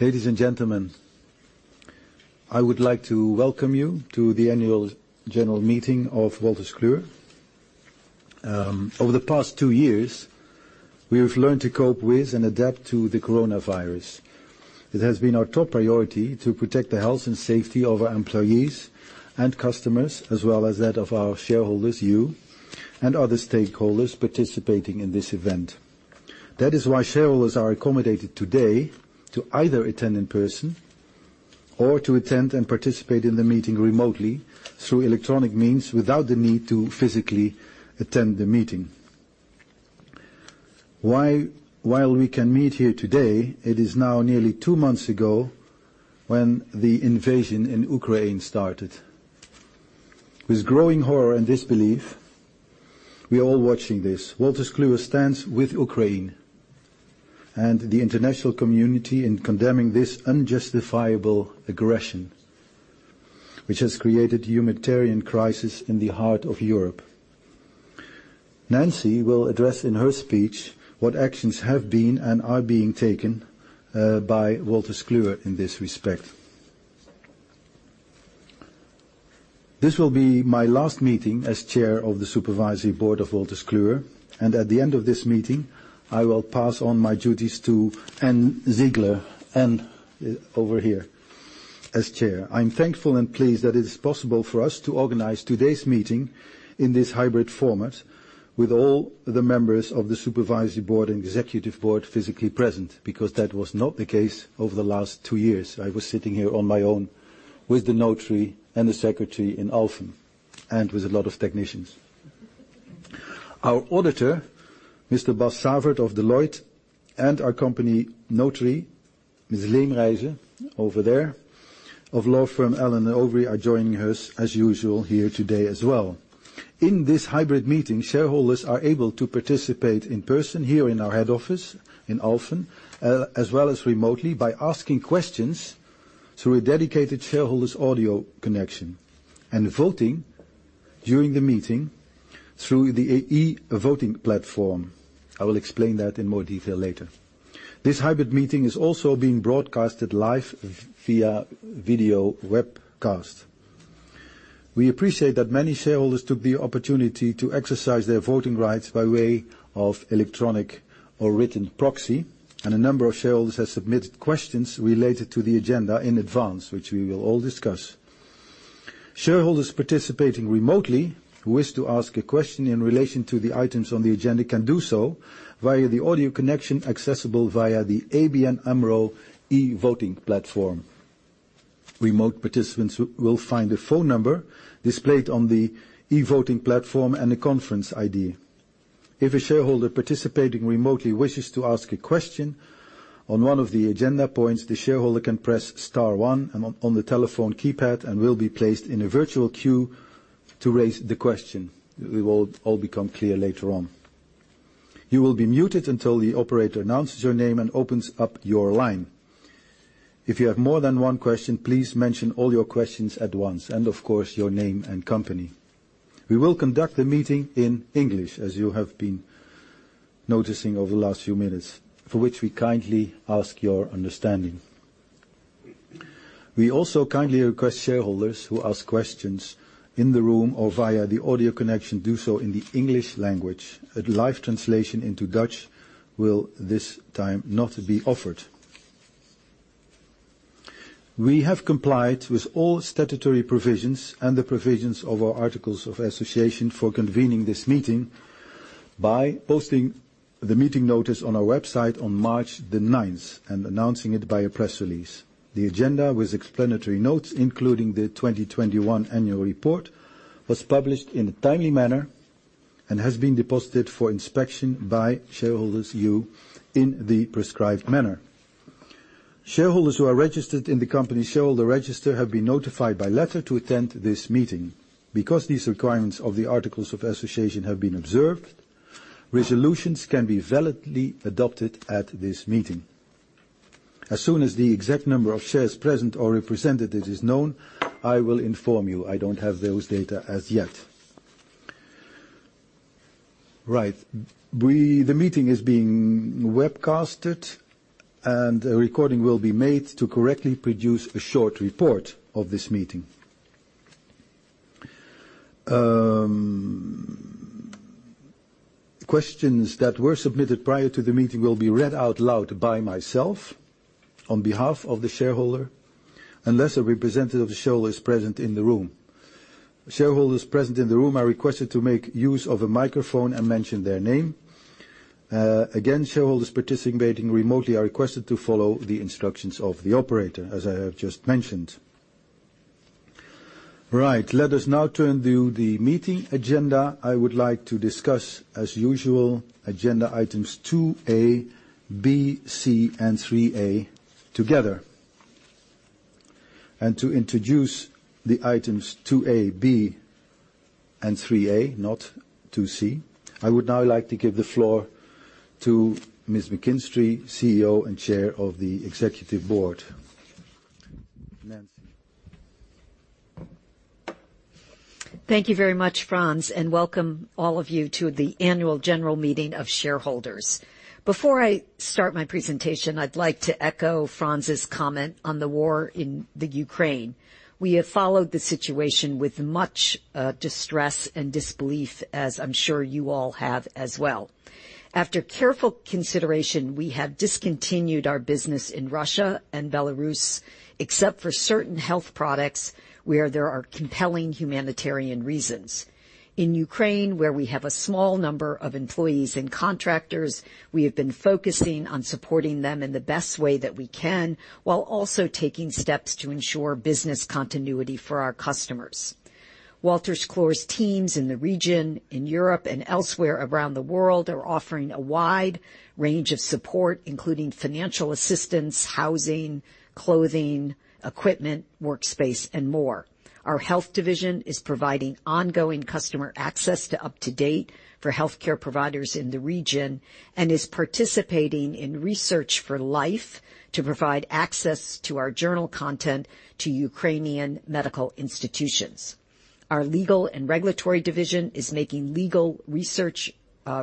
Ladies and gentlemen, I would like to welcome you to the annual general meeting of Wolters Kluwer. Over the past two years, we have learned to cope with and adapt to the coronavirus. It has been our top priority to protect the health and safety of our employees and customers, as well as that of our shareholders, you, and other stakeholders participating in this event. That is why shareholders are accommodated today to either attend in person or to attend and participate in the meeting remotely through electronic means without the need to physically attend the meeting. While we can meet here today, it is now nearly two months ago when the invasion in Ukraine started. With growing horror and disbelief, we are all watching this. Wolters Kluwer stands with Ukraine and the international community in condemning this unjustifiable aggression, which has created humanitarian crisis in the heart of Europe. Nancy will address in her speech what actions have been and are being taken by Wolters Kluwer in this respect. This will be my last meeting as Chair of the Supervisory Board of Wolters Kluwer, and at the end of this meeting, I will pass on my duties to Ann Ziegler. Ann over here, as Chair. I'm thankful and pleased that it is possible for us to organize today's meeting in this hybrid format with all the members of the Supervisory Board and Executive Board physically present, because that was not the case over the last two years. I was sitting here on my own with the notary and the secretary in Alphen, and with a lot of technicians. Our auditor, Mr. Bas Savert of Deloitte, and our company notary, Ms. [Leemreize], over there, of law firm Allen & Overy, are joining us as usual here today as well. In this hybrid meeting, shareholders are able to participate in person here in our head office in Alphen, as well as remotely by asking questions through a dedicated shareholder's audio connection, and voting during the meeting through the ABN AMRO voting platform. I will explain that in more detail later. This hybrid meeting is also being broadcast live via video webcast. We appreciate that many shareholders took the opportunity to exercise their voting rights by way of electronic or written proxy, and a number of shareholders have submitted questions related to the agenda in advance, which we will all discuss. Shareholders participating remotely, who wish to ask a question in relation to the items on the agenda, can do so via the audio connection accessible via the ABN AMRO e-voting platform. Remote participants will find the phone number displayed on the e-voting platform and a conference ID. If a shareholder participating remotely wishes to ask a question on one of the agenda points, the shareholder can press star one on the telephone keypad and will be placed in a virtual queue to raise the question. It will all become clear later on. You will be muted until the operator announces your name and opens up your line. If you have more than one question, please mention all your questions at once, and of course, your name and company. We will conduct the meeting in English as you have been noticing over the last few minutes, for which we kindly ask your understanding. We also kindly request shareholders who ask questions in the room or via the audio connection, do so in the English language. A live translation into Dutch will, this time, not be offered. We have complied with all statutory provisions and the provisions of our articles of association for convening this meeting by posting the meeting notice on our website on 9 March and announcing it by a press release. The agenda with explanatory notes, including the 2021 annual report, was published in a timely manner and has been deposited for inspection by shareholders, you, in the prescribed manner. Shareholders who are registered in the company shareholder register have been notified by letter to attend this meeting. Because these requirements of the articles of association have been observed, resolutions can be validly adopted at this meeting. As soon as the exact number of shares present or represented is known, I will inform you. I don't have those data as yet. Right. The meeting is being webcasted, and a recording will be made to correctly produce a short report of this meeting. Questions that were submitted prior to the meeting will be read out loud by myself on behalf of the shareholder, unless a representative of the shareholder is present in the room. Shareholders present in the room are requested to make use of a microphone and mention their name. Again, shareholders participating remotely are requested to follow the instructions of the operator, as I have just mentioned. Right. Let us now turn to the meeting agenda. I would like to discuss, as usual, agenda items 2A, B, C, and 3A together. To introduce the items 2A, B, and 3A, not 2C, I would now like to give the floor to Ms. McKinstry, CEO and Chair of the Executive Board. Nancy. Thank you very much, Frans, and welcome all of you to the annual general meeting of shareholders. Before I start my presentation, I'd like to echo Frans' comment on the war in the Ukraine. We have followed the situation with much distress and disbelief, as I'm sure you all have as well. After careful consideration, we have discontinued our business in Russia and Belarus, except for certain health products where there are compelling humanitarian reasons. In Ukraine, where we have a small number of employees and contractors, we have been focusing on supporting them in the best way that we can, while also taking steps to ensure business continuity for our customers. Wolters Kluwer's teams in the region, in Europe, and elsewhere around the world are offering a wide range of support, including financial assistance, housing, clothing, equipment, workspace, and more. Our health division is providing ongoing customer access to up-to-date information for healthcare providers in the region and is participating in Research4Life to provide access to our journal content to Ukrainian medical institutions. Our legal and regulatory division is making legal research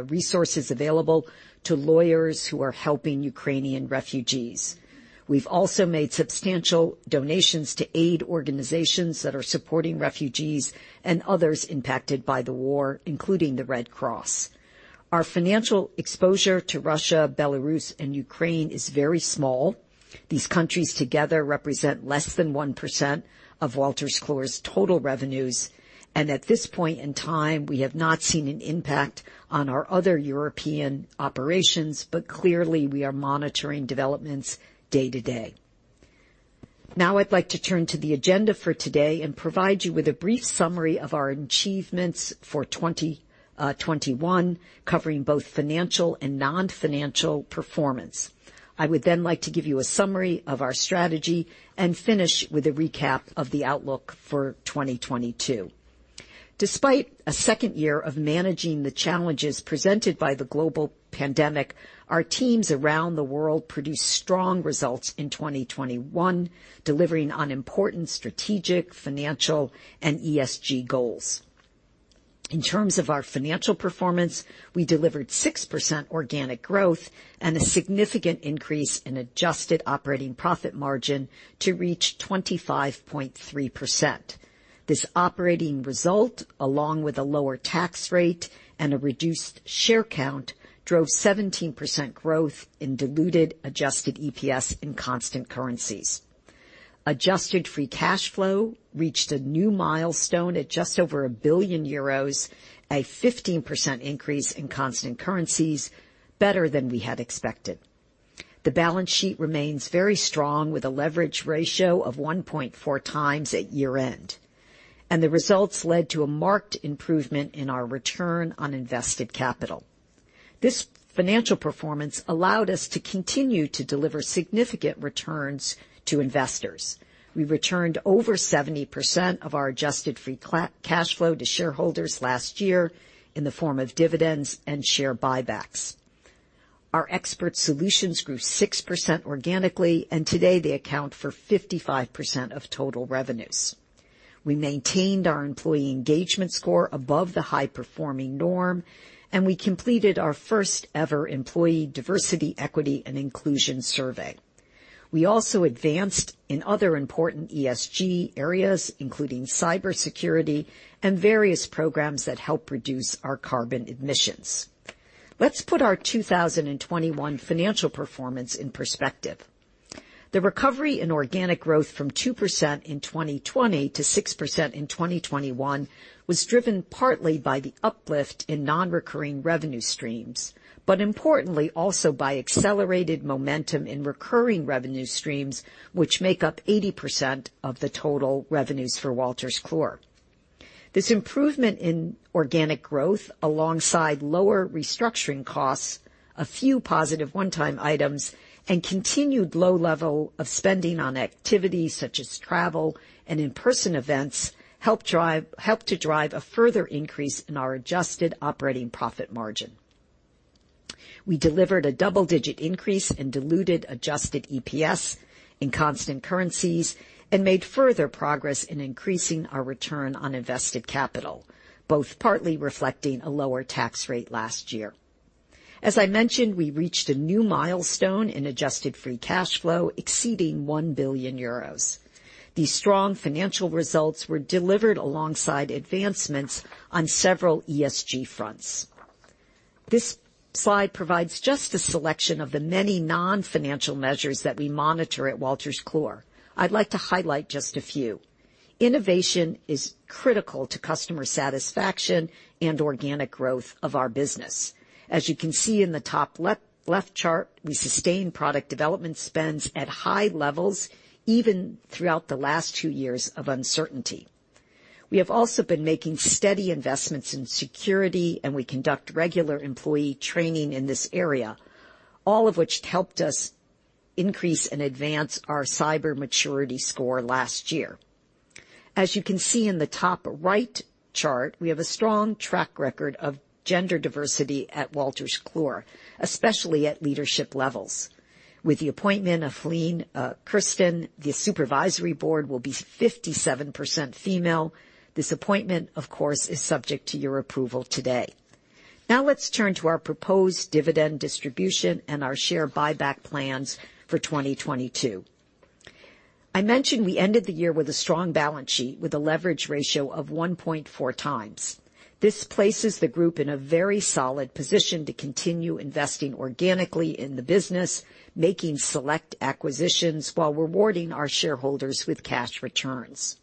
resources available to lawyers who are helping Ukrainian refugees. We've also made substantial donations to aid organizations that are supporting refugees and others impacted by the war, including the Red Cross. Our financial exposure to Russia, Belarus, and Ukraine is very small. These countries together represent less than 1% of Wolters Kluwer's total revenues, and at this point in time, we have not seen an impact on our other European operations. Clearly we are monitoring developments day to day. Now I'd like to turn to the agenda for today and provide you with a brief summary of our achievements for 2021, covering both financial and non-financial performance. I would then like to give you a summary of our strategy and finish with a recap of the outlook for 2022. Despite a second year of managing the challenges presented by the global pandemic, our teams around the world produced strong results in 2021, delivering on important strategic, financial, and ESG goals. In terms of our financial performance, we delivered 6% organic growth and a significant increase in adjusted operating profit margin to reach 25.3%. This operating result, along with a lower tax rate and a reduced share count, drove 17% growth in diluted adjusted EPS in constant currencies. Adjusted free cash flow reached a new milestone at just over 1 billion euros, a 15% increase in constant currencies, better than we had expected. The balance sheet remains very strong with a leverage ratio of 1.4x at year-end. The results led to a marked improvement in our return on invested capital. This financial performance allowed us to continue to deliver significant returns to investors. We returned over 70% of our adjusted free cash flow to shareholders last year in the form of dividends and share buybacks. Our expert solutions grew 6% organically, and today they account for 55% of total revenues. We maintained our employee engagement score above the high-performing norm, and we completed our first ever employee diversity, equity, and inclusion survey. We also advanced in other important ESG areas, including cybersecurity and various programs that help reduce our carbon emissions. Let's put our 2021 financial performance in perspective. The recovery in organic growth from 2% in 2020 to 6% in 2021 was driven partly by the uplift in non-recurring revenue streams, but importantly also by accelerated momentum in recurring revenue streams, which make up 80% of the total revenues for Wolters Kluwer. This improvement in organic growth, alongside lower restructuring costs, a few positive one-time items, and continued low level of spending on activities such as travel and in-person events, helped to drive a further increase in our adjusted operating profit margin. We delivered a double-digit increase in diluted adjusted EPS in constant currencies and made further progress in increasing our return on invested capital, both partly reflecting a lower tax rate last year. As I mentioned, we reached a new milestone in adjusted free cash flow exceeding 1 billion euros. These strong financial results were delivered alongside advancements on several ESG fronts. This slide provides just a selection of the many non-financial measures that we monitor at Wolters Kluwer. I'd like to highlight just a few. Innovation is critical to customer satisfaction and organic growth of our business. As you can see in the top left chart, we sustain product development spends at high levels, even throughout the last two years of uncertainty. We have also been making steady investments in security, and we conduct regular employee training in this area, all of which helped us increase and advance our cyber maturity score last year. As you can see in the top right chart, we have a strong track record of gender diversity at Wolters Kluwer, especially at leadership levels. With the appointment of Heleen Kersten, the supervisory board will be 57% female. This appointment, of course, is subject to your approval today. Now let's turn to our proposed dividend distribution and our share buyback plans for 2022. I mentioned we ended the year with a strong balance sheet with a leverage ratio of 1.4x. This places the group in a very solid position to continue investing organically in the business, making select acquisitions, while rewarding our shareholders with cash returns.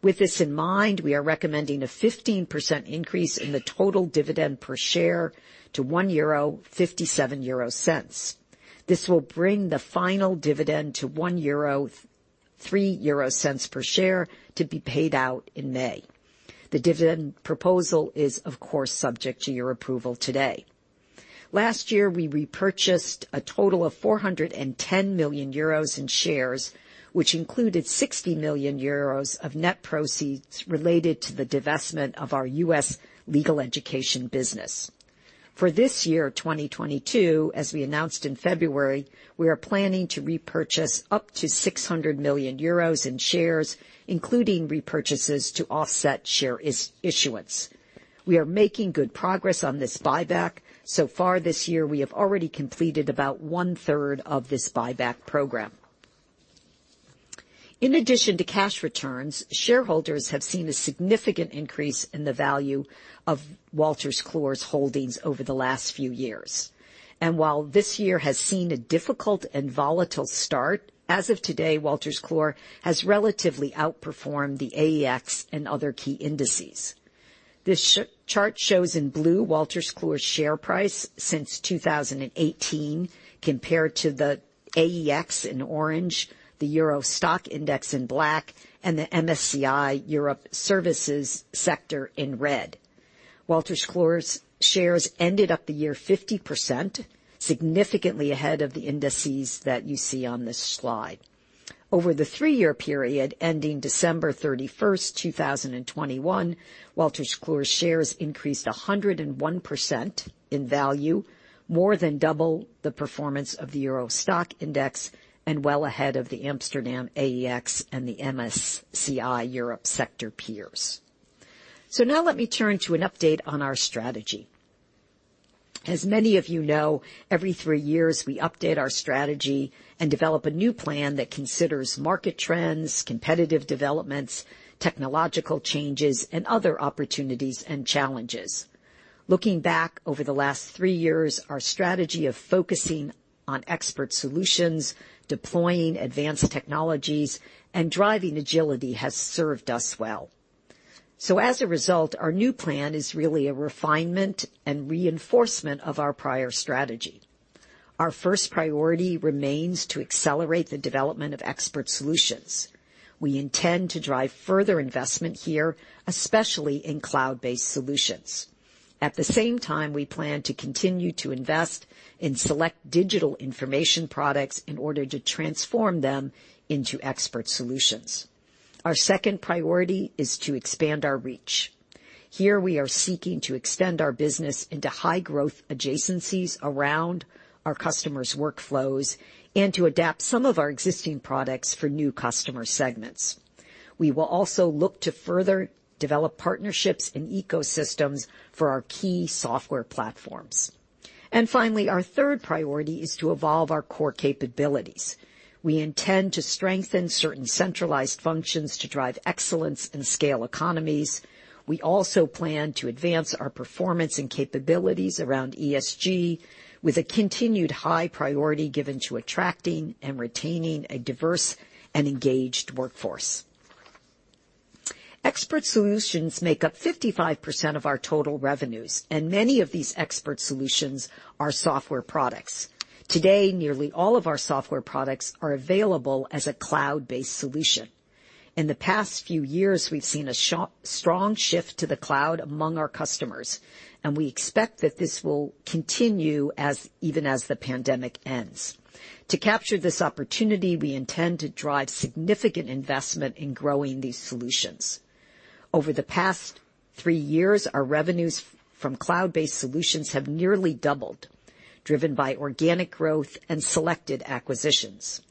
With this in mind, we are recommending a 15% increase in the total dividend per share to 1.57 euro. This will bring the final dividend to 1.03 euro per share to be paid out in May. The dividend proposal is, of course, subject to your approval today. Last year, we repurchased a total of 410 million euros in shares, which included 60 million euros of net proceeds related to the divestment of our U.S. education business. For this year, 2022, as we announced in February, we are planning to repurchase up to 600 million euros in shares, including repurchases to offset share issuance. We are making good progress on this buyback. So far this year, we have already completed about one-third of this buyback program. In addition to cash returns, shareholders have seen a significant increase in the value of Wolters Kluwer's holdings over the last few years. While this year has seen a difficult and volatile start, as of today, Wolters Kluwer has relatively outperformed the AEX and other key indices. This chart shows in blue Wolters Kluwer's share price since 2018 compared to the AEX in orange, the Euro Stoxx Index in black, and the MSCI Europe Consumer Services Index in red. Wolters Kluwer's shares ended the year up 50%, significantly ahead of the indices that you see on this slide. Over the three-year period ending 31 December 2021, Wolters Kluwer's shares increased 101% in value, more than double the performance of the Euro Stoxx Index and well ahead of the Amsterdam AEX and the MSCI Europe sector peers. Now let me turn to an update on our strategy. As many of you know, every three years, we update our strategy and develop a new plan that considers market trends, competitive developments, technological changes, and other opportunities and challenges. Looking back over the last three years, our strategy of focusing on expert solutions, deploying advanced technologies, and driving agility has served us well. As a result, our new plan is really a refinement and reinforcement of our prior strategy. Our first priority remains to accelerate the development of expert solutions. We intend to drive further investment here, especially in cloud-based solutions. At the same time, we plan to continue to invest in select digital information products in order to transform them into expert solutions. Our second priority is to expand our reach. Here, we are seeking to extend our business into high-growth adjacencies around our customers' workflows and to adapt some of our existing products for new customer segments. We will also look to further develop partnerships and ecosystems for our key software platforms. Finally, our third priority is to evolve our core capabilities. We intend to strengthen certain centralized functions to drive excellence and scale economies. We also plan to advance our performance and capabilities around ESG with a continued high priority given to attracting and retaining a diverse and engaged workforce. Expert solutions make up 55% of our total revenues, and many of these expert solutions are software products. Today, nearly all of our software products are available as a cloud-based solution. In the past few years, we've seen a strong shift to the cloud among our customers, and we expect that this will continue as even as the pandemic ends. To capture this opportunity, we intend to drive significant investment in growing these solutions. Over the past three years, our revenues from cloud-based solutions have nearly doubled, driven by organic growth and selected acquisitions.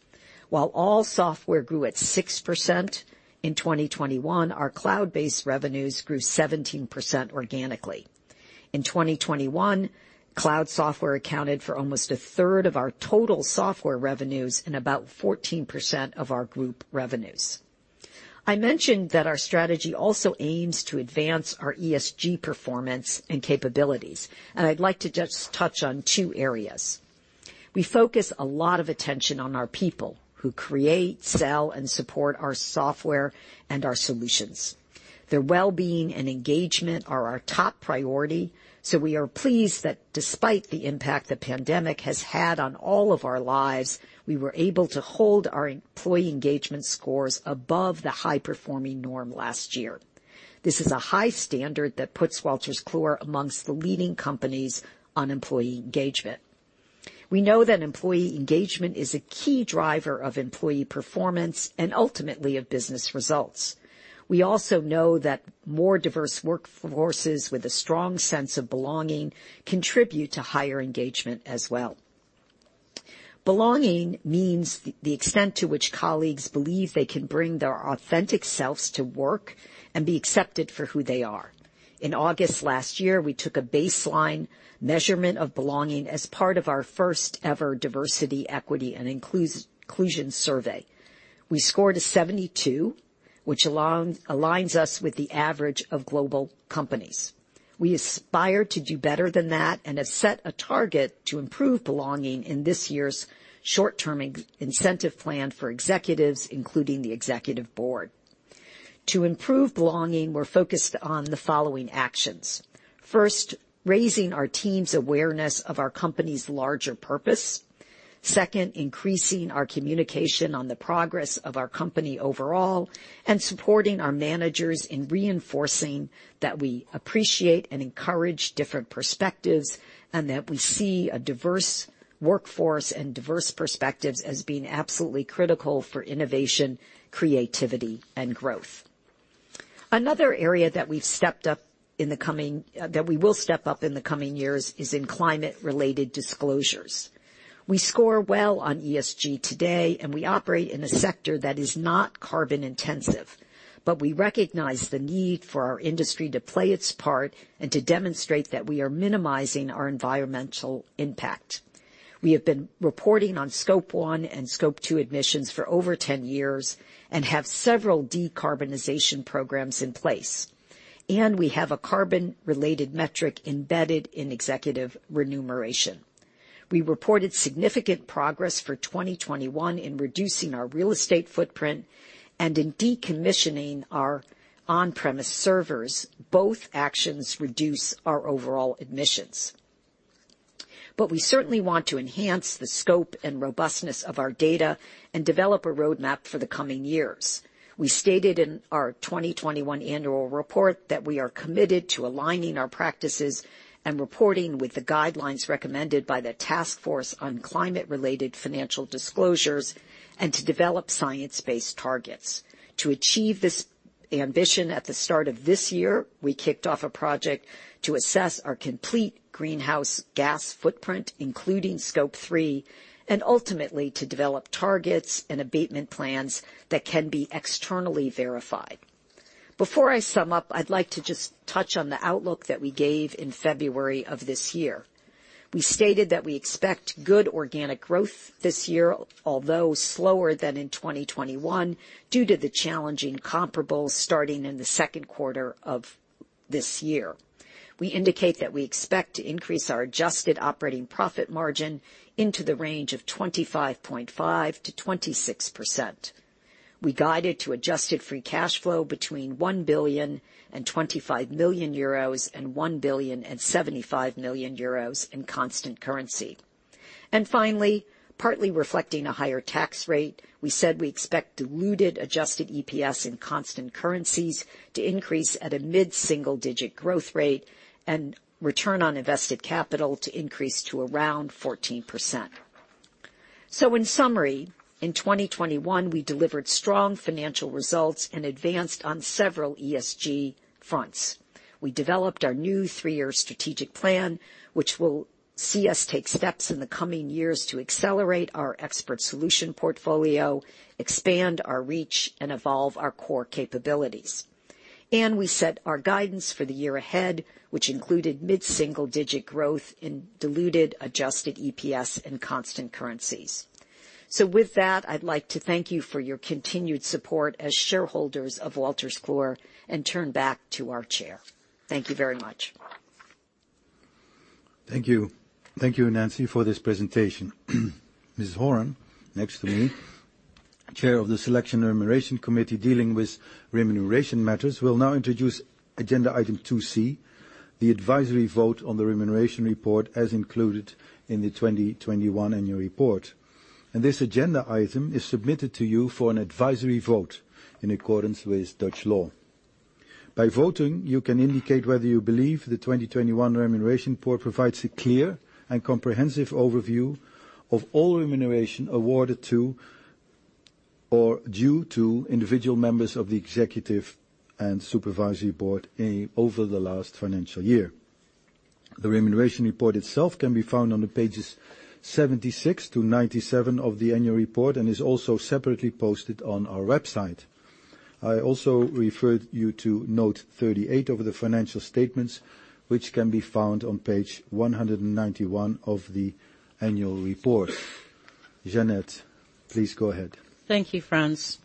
While all software grew at 6% in 2021, our cloud-based revenues grew 17% organically. In 2021, cloud software accounted for almost a 1/3 of our total software revenues and about 14% of our group revenues. I mentioned that our strategy also aims to advance our ESG performance and capabilities, and I'd like to just touch on two areas. We focus a lot of attention on our people who create, sell, and support our software and our solutions. Their well-being and engagement are our top priority, so we are pleased that despite the impact the pandemic has had on all of our lives, we were able to hold our employee engagement scores above the high-performing norm last year. This is a high standard that puts Wolters Kluwer amongst the leading companies on employee engagement. We know that employee engagement is a key driver of employee performance and ultimately of business results. We also know that more diverse workforces with a strong sense of belonging contribute to higher engagement as well. Belonging means the extent to which colleagues believe they can bring their authentic selves to work and be accepted for who they are. In August last year, we took a baseline measurement of belonging as part of our first ever diversity, equity, and inclusion survey. We scored a 72, which aligns us with the average of global companies. We aspire to do better than that and have set a target to improve belonging in this year's short-term incentive plan for executives, including the executive board. To improve belonging, we're focused on the following actions. First, raising our team's awareness of our company's larger purpose. Second, increasing our communication on the progress of our company overall, and supporting our managers in reinforcing that we appreciate and encourage different perspectives, and that we see a diverse workforce and diverse perspectives as being absolutely critical for innovation, creativity, and growth. Another area that we will step up in the coming years is in climate-related disclosures. We score well on ESG today, and we operate in a sector that is not carbon intensive. We recognize the need for our industry to play its part and to demonstrate that we are minimizing our environmental impact. We have been reporting on Scope 1 and Scope 2 emissions for over 10 years and have several decarbonization programs in place. We have a carbon-related metric embedded in executive remuneration. We reported significant progress for 2021 in reducing our real estate footprint and in decommissioning our on-premise servers. Both actions reduce our overall emissions. We certainly want to enhance the scope and robustness of our data and develop a roadmap for the coming years. We stated in our 2021 annual report that we are committed to aligning our practices and reporting with the guidelines recommended by the Task Force on Climate-related Financial Disclosures, and to develop science-based targets. To achieve this ambition, at the start of this year, we kicked off a project to assess our complete greenhouse gas footprint, including Scope 3, and ultimately to develop targets and abatement plans that can be externally verified. Before I sum up, I'd like to just touch on the outlook that we gave in February of this year. We stated that we expect good organic growth this year, although slower than in 2021 due to the challenging comparables starting in the Q2 of this year. We indicate that we expect to increase our adjusted operating profit margin into the range of 25.5%-26%. We guided to adjusted free cash flow between 1.025 billion and 1.075 billion euros in constant currency. Finally, partly reflecting a higher tax rate, we said we expect diluted adjusted EPS in constant currencies to increase at a mid-single digit growth rate and return on invested capital to increase to around 14%. In summary, in 2021, we delivered strong financial results and advanced on several ESG fronts. We developed our new three-year strategic plan, which will see us take steps in the coming years to accelerate our expert solution portfolio, expand our reach, and evolve our core capabilities. We set our guidance for the year ahead, which included mid-single digit growth in diluted adjusted EPS and constant currencies. With that, I'd like to thank you for your continued support as shareholders of Wolters Kluwer and turn back to our chair. Thank you very much. Thank you. Thank you, Nancy, for this presentation. Ms. Horan, next to me, Chair of the Selection and Remuneration Committee dealing with remuneration matters, will now introduce agenda item 2C, the advisory vote on the remuneration report as included in the 2021 annual report. This agenda item is submitted to you for an advisory vote in accordance with Dutch law. By voting, you can indicate whether you believe the 2021 remuneration report provides a clear and comprehensive overview of all remuneration awarded to or due to individual members of the Executive Board and Supervisory Board, over the last financial year. The remuneration report itself can be found on pages 76-97 of the annual report and is also separately posted on our website. I also referred you to note 38 of the financial statements, which can be found on page 191 of the annual report. Jeanette, please go ahead. Thank you, Frans.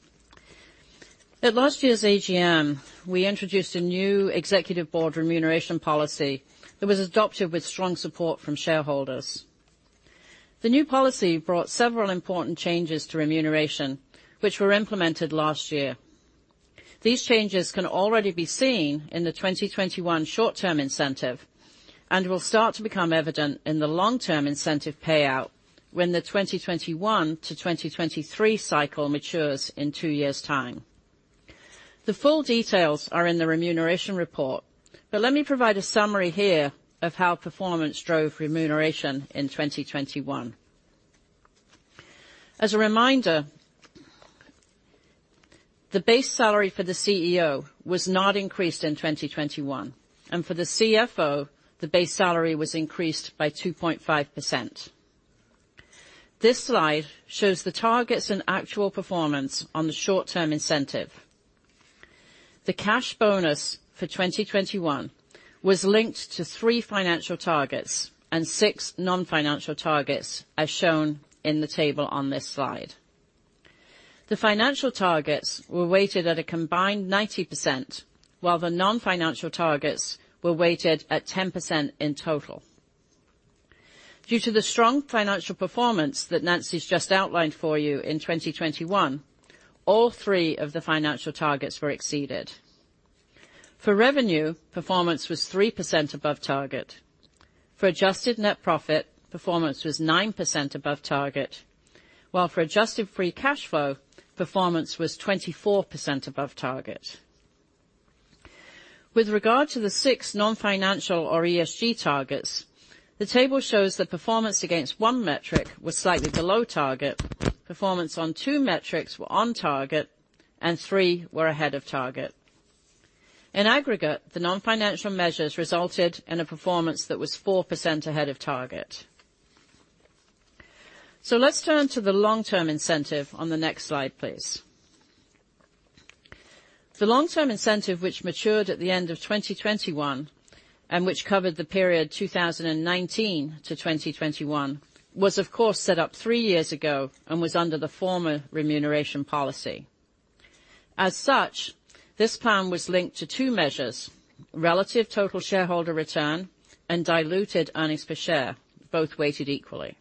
At last year's AGM, we introduced a new executive board remuneration policy that was adopted with strong support from shareholders. The new policy brought several important changes to remuneration, which were implemented last year. These changes can already be seen in the 2021 short-term incentive and will start to become evident in the long-term incentive payout when the 2021-2023 cycle matures in two years' time. The full details are in the remuneration report, but let me provide a summary here of how performance drove remuneration in 2021. As a reminder, the base salary for the CEO was not increased in 2021, and for the CFO, the base salary was increased by 2.5%. This slide shows the targets and actual performance on the short-term incentive. The cash bonus for 2021 was linked to three financial targets and six non-financial targets, as shown in the table on this slide. The financial targets were weighted at a combined 90%, while the non-financial targets were weighted at 10% in total. Due to the strong financial performance that Nancy's just outlined for you in 2021, all three of the financial targets were exceeded. For revenue, performance was 3% above target. For adjusted net profit, performance was 9% above target, while for adjusted free cash flow, performance was 24% above target. With regard to the six non-financial or ESG targets, the table shows that performance against one metric was slightly below target. Performance on two metrics were on target, and three were ahead of target. In aggregate, the non-financial measures resulted in a performance that was 4% ahead of target. Let's turn to the long-term incentive on the next slide, please. The long-term incentive, which matured at the end of 2021, and which covered the period 2019-2021, was of course set up three years ago and was under the former remuneration policy. As such, this plan was linked to two measures: relative total shareholder return and diluted earnings per share, both weighted equally.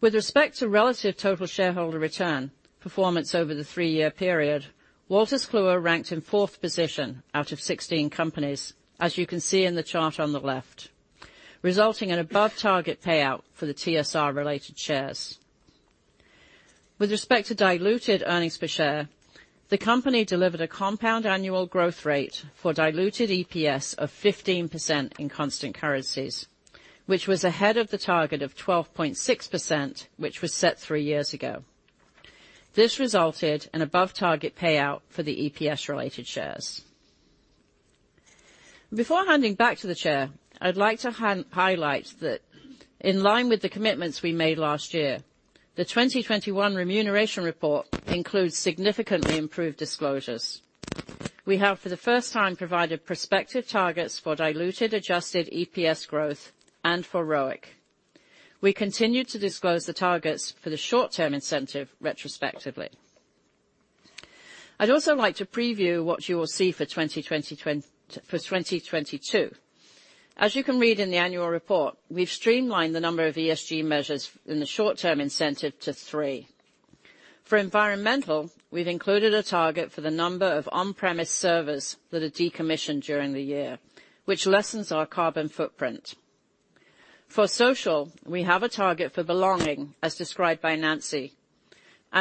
With respect to relative total shareholder return performance over the three-year period, Wolters Kluwer ranked in fourth position out of 16 companies, as you can see in the chart on the left, resulting in above target payout for the TSR-related shares. With respect to diluted earnings per share, the company delivered a compound annual growth rate for diluted EPS of 15% in constant currencies, which was ahead of the target of 12.6%, which was set three years ago. This resulted in above target payout for the EPS-related shares. Before handing back to the chair, I'd like to highlight that in line with the commitments we made last year, the 2021 remuneration report includes significantly improved disclosures. We have, for the first time, provided prospective targets for diluted, adjusted EPS growth and for ROIC. We continue to disclose the targets for the short-term incentive retrospectively. I'd also like to preview what you will see for 2022. As you can read in the annual report, we've streamlined the number of ESG measures in the short-term incentive to three. For environmental, we've included a target for the number of on-premise servers that are decommissioned during the year, which lessens our carbon footprint. For social, we have a target for belonging, as described by Nancy.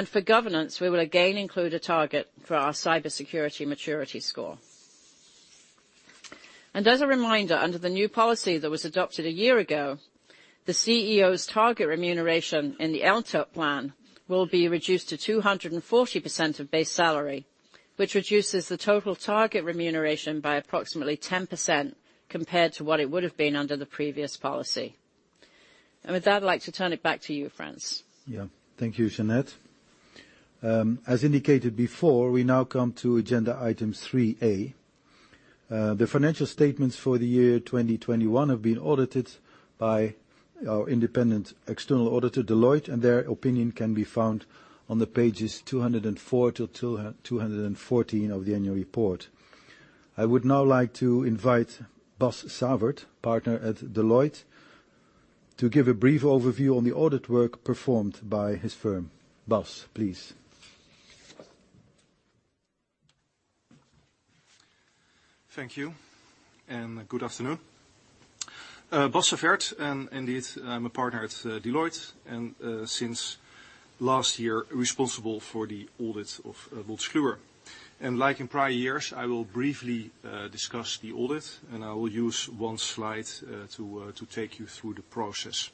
For governance, we will again include a target for our cybersecurity maturity score. As a reminder, under the new policy that was adopted a year ago, the CEO's target remuneration in the LTIP plan will be reduced to 240% of base salary, which reduces the total target remuneration by approximately 10% compared to what it would've been under the previous policy. With that, I'd like to turn it back to you, Frans. Yeah. Thank you, Jeanette. As indicated before, we now come to agenda item 3A. The financial statements for the year 2021 have been audited by our independent external auditor, Deloitte, and their opinion can be found on the pages 204-214 of the annual report. I would now like to invite Bas Savert, Partner at Deloitte, to give a brief overview on the audit work performed by his firm. Bas, please. Thank you, and good afternoon. Bas Savert, and indeed, I'm a partner at Deloitte, and since last year, responsible for the audit of Wolters Kluwer. Like in prior years, I will briefly discuss the audit, and I will use one slide to take you through the process.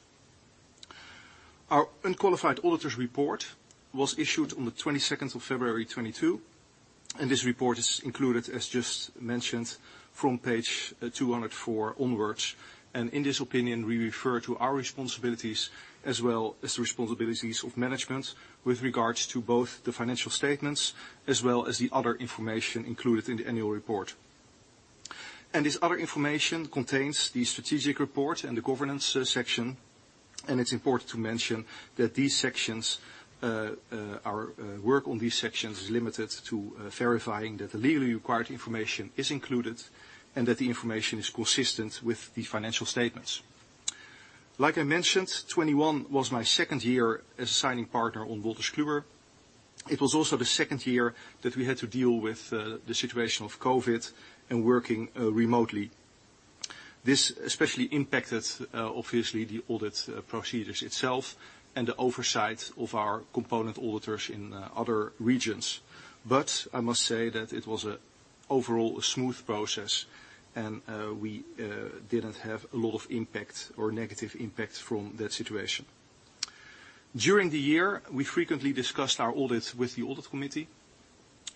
Our unqualified auditor's report was issued on the 22 February 2022, and this report is included, as just mentioned, from page 204 onwards. In this opinion, we refer to our responsibilities as well as the responsibilities of management with regards to both the financial statements as well as the other information included in the annual report. This other information contains the strategic report and the governance section, and it's important to mention that these sections, our work on these sections is limited to verifying that the legally required information is included and that the information is consistent with the financial statements. Like I mentioned, 2021 was my second year as signing partner on Wolters Kluwer. It was also the second year that we had to deal with the situation of COVID and working remotely. This especially impacted obviously the audit procedures itself and the oversight of our component auditors in other regions. But I must say that it was overall a smooth process, and we didn't have a lot of impact or negative impact from that situation. During the year, we frequently discussed our audits with the audit committee.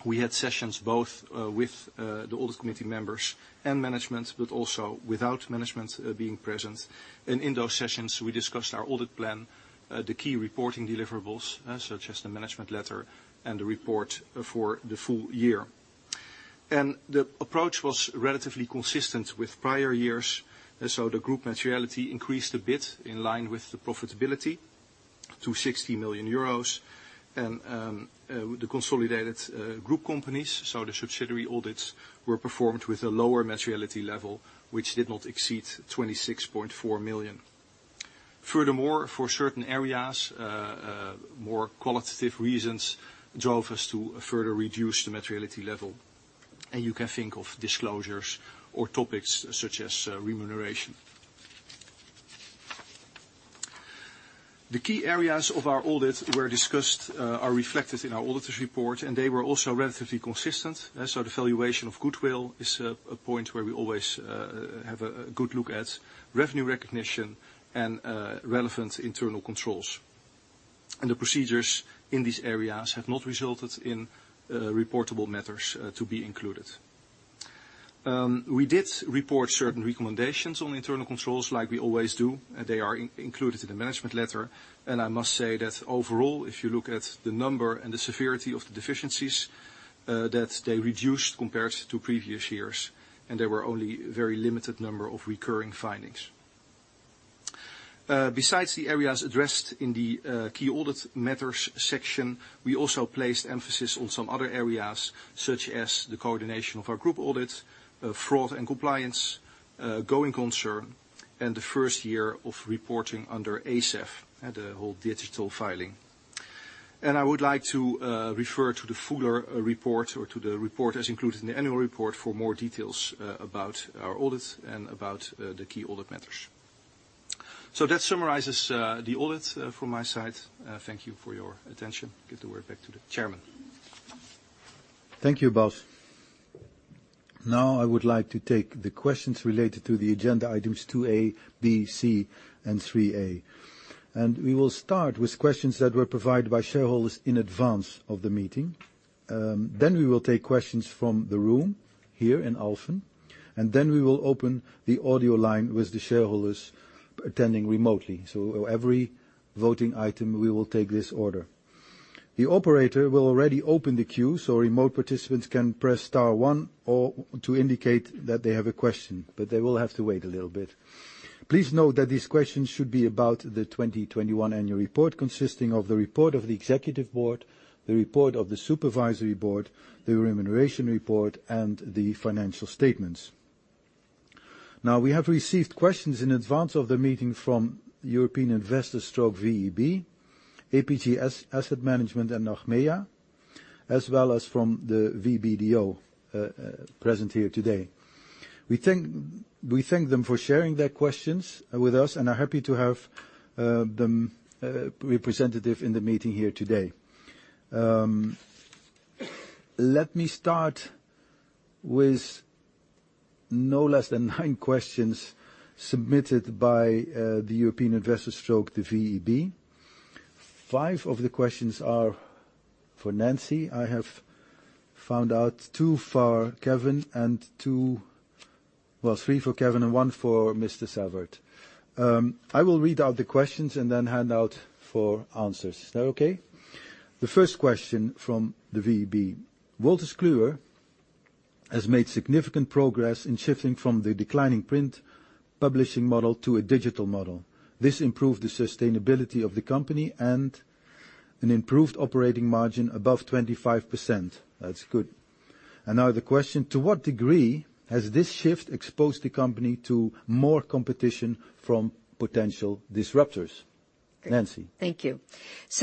We had sessions both, with, the audit committee members and management, but also without management, being present. In those sessions, we discussed our audit plan, the key reporting deliverables, such as the management letter and the report, for the full year. The approach was relatively consistent with prior years. The group materiality increased a bit in line with the profitability to 60 million euros. The consolidated, group companies, so the subsidiary audits were performed with a lower materiality level, which did not exceed 26.4 million. Furthermore, for certain areas, more qualitative reasons drove us to further reduce the materiality level. You can think of disclosures or topics such as, remuneration. The key areas of our audit were discussed, are reflected in our auditor's report, and they were also relatively consistent. The valuation of goodwill is a point where we always have a good look at. Revenue recognition and relevant internal controls. The procedures in these areas have not resulted in reportable matters to be included. We did report certain recommendations on internal controls like we always do. They are included in the management letter. I must say that overall, if you look at the number and the severity of the deficiencies, that they reduced compared to previous years, and there were only very limited number of recurring findings. Besides the areas addressed in the key audit matters section, we also placed emphasis on some other areas, such as the coordination of our group audits, fraud and compliance, going concern, and the first year of reporting under ESEF and the whole digital filing. I would like to refer to the full report or to the report as included in the annual report for more details about our audit and about the key audit matters. That summarizes the audit from my side. Thank you for your attention. Give the word back to the chairman. Thank you, Bas. Now I would like to take the questions related to the agenda items 2A, B, C, and 3A. We will start with questions that were provided by shareholders in advance of the meeting. Then we will take questions from the room here in Alphen, and then we will open the audio line with the shareholders attending remotely. Every voting item, we will take this order. The operator will already open the queue so remote participants can press star one or two to indicate that they have a question, but they will have to wait a little bit. Please note that these questions should be about the 2021 annual report consisting of the report of the executive board, the report of the supervisory board, the remuneration report, and the financial statements. Now, we have received questions in advance of the meeting from European Investors / VEB, APG Asset Management, and Achmea, as well as from the VBDO present here today. We thank them for sharing their questions with us and are happy to have their representative in the meeting here today. Let me start with no less than nine questions submitted by the European Investors / VEB. Five of the questions are for Nancy. I have found out three for Kevin and one for Mr. Savert I will read out the questions and then hand over for answers. Is that okay? The first question from the VEB: Wolters Kluwer has made significant progress in shifting from the declining print publishing model to a digital model. This improved the sustainability of the company and an improved operating margin above 25%. That's good. Now the question: To what degree has this shift exposed the company to more competition from potential disruptors? Nancy. Thank you.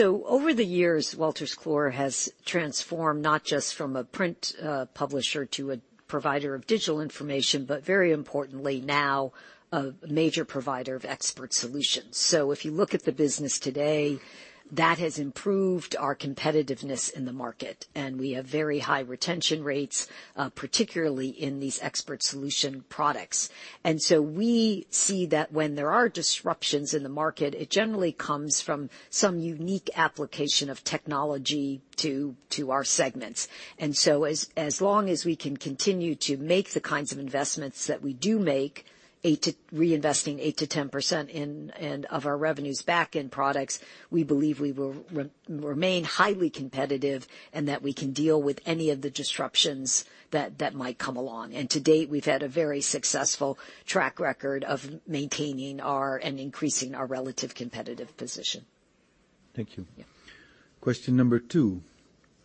Over the years, Wolters Kluwer has transformed not just from a print publisher to a provider of digital information, but very importantly, now a major provider of expert solutions. If you look at the business today, that has improved our competitiveness in the market, and we have very high retention rates, particularly in these expert solution products. We see that when there are disruptions in the market, it generally comes from some unique application of technology to our segments. As long as we can continue to make the kinds of investments that we do make, reinvesting 8%-10% of our revenues back in products, we believe we will remain highly competitive and that we can deal with any of the disruptions that might come along. To date, we've had a very successful track record of maintaining and increasing our relative competitive position. Thank you. Yeah. Question number two.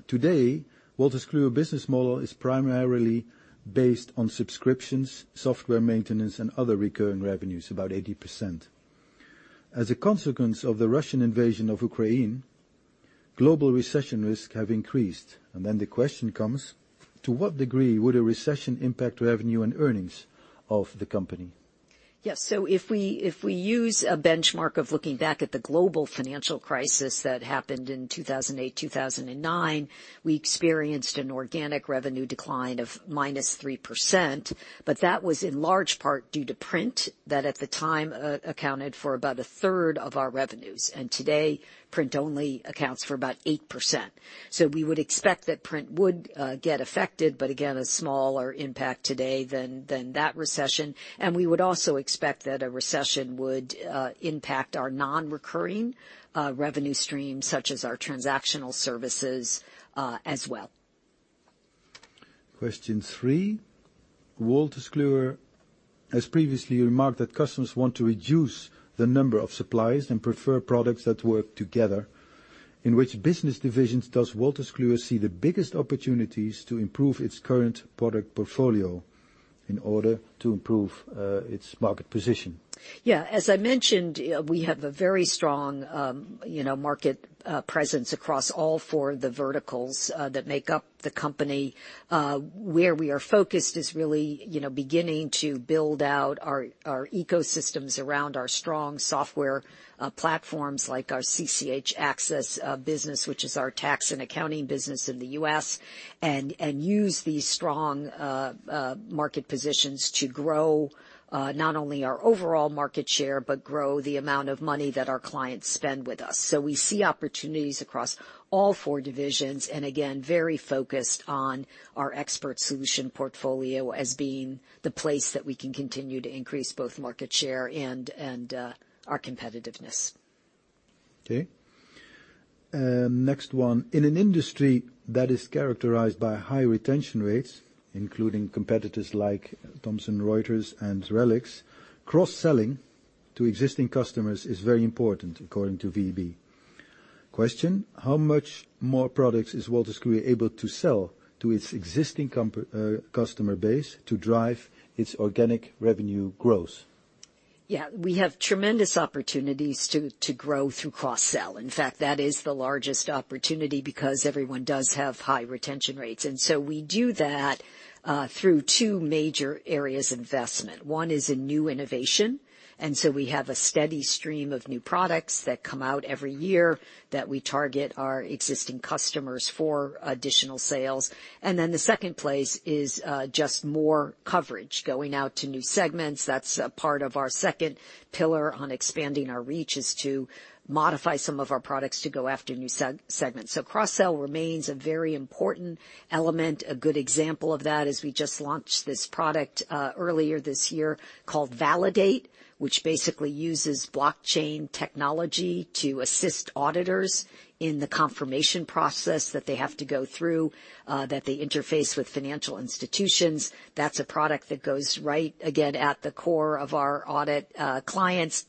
Today, Wolters Kluwer's business model is primarily based on subscriptions, software maintenance, and other recurring revenues, about 80%. As a consequence of the Russian invasion of Ukraine, global recession risk has increased. The question comes, to what degree would a recession impact revenue and earnings of the company? Yes. If we use a benchmark of looking back at the global financial crisis that happened in 2008, 2009, we experienced an organic revenue decline of -3%, but that was in large part due to print, that at the time accounted for about 1/3 of our revenues. Today, print only accounts for about 8%. We would expect that print would get affected, but again, a smaller impact today than that recession. We would also expect that a recession would impact our non-recurring revenue stream, such as our transactional services, as well. Question three. Wolters Kluwer has previously remarked that customers want to reduce the number of suppliers and prefer products that work together. In which business divisions does Wolters Kluwer see the biggest opportunities to improve its current product portfolio in order to improve its market position? Yeah, as I mentioned, we have a very strong, you know, market presence across all four of the verticals that make up the company. Where we are focused is really, you know, beginning to build out our ecosystems around our strong software platforms, like our CCH Axcess business, which is our tax and accounting business in the U.S., and use these strong market positions to grow not only our overall market share, but grow the amount of money that our clients spend with us. We see opportunities across all four divisions, and again, very focused on our expert solution portfolio as being the place that we can continue to increase both market share and our competitiveness. Okay. Next one. In an industry that is characterized by high retention rates, including competitors like Thomson Reuters and RELX, cross-selling to existing customers is very important according to VEB. Question: How much more products is Wolters Kluwer able to sell to its existing customer base to drive its organic revenue growth? Yeah. We have tremendous opportunities to grow through cross-sell. In fact, that is the largest opportunity because everyone does have high retention rates. We do that through two major areas of investment. One is in new innovation, and so we have a steady stream of new products that come out every year that we target our existing customers for additional sales. The second place is just more coverage, going out to new segments. That's a part of our second pillar on expanding our reach is to modify some of our products to go after new segments. Cross-sell remains a very important element. A good example of that is we just launched this product earlier this year called Validate, which basically uses blockchain technology to assist auditors in the confirmation process that they have to go through that they interface with financial institutions. That's a product that goes right, again, at the core of our audit clients.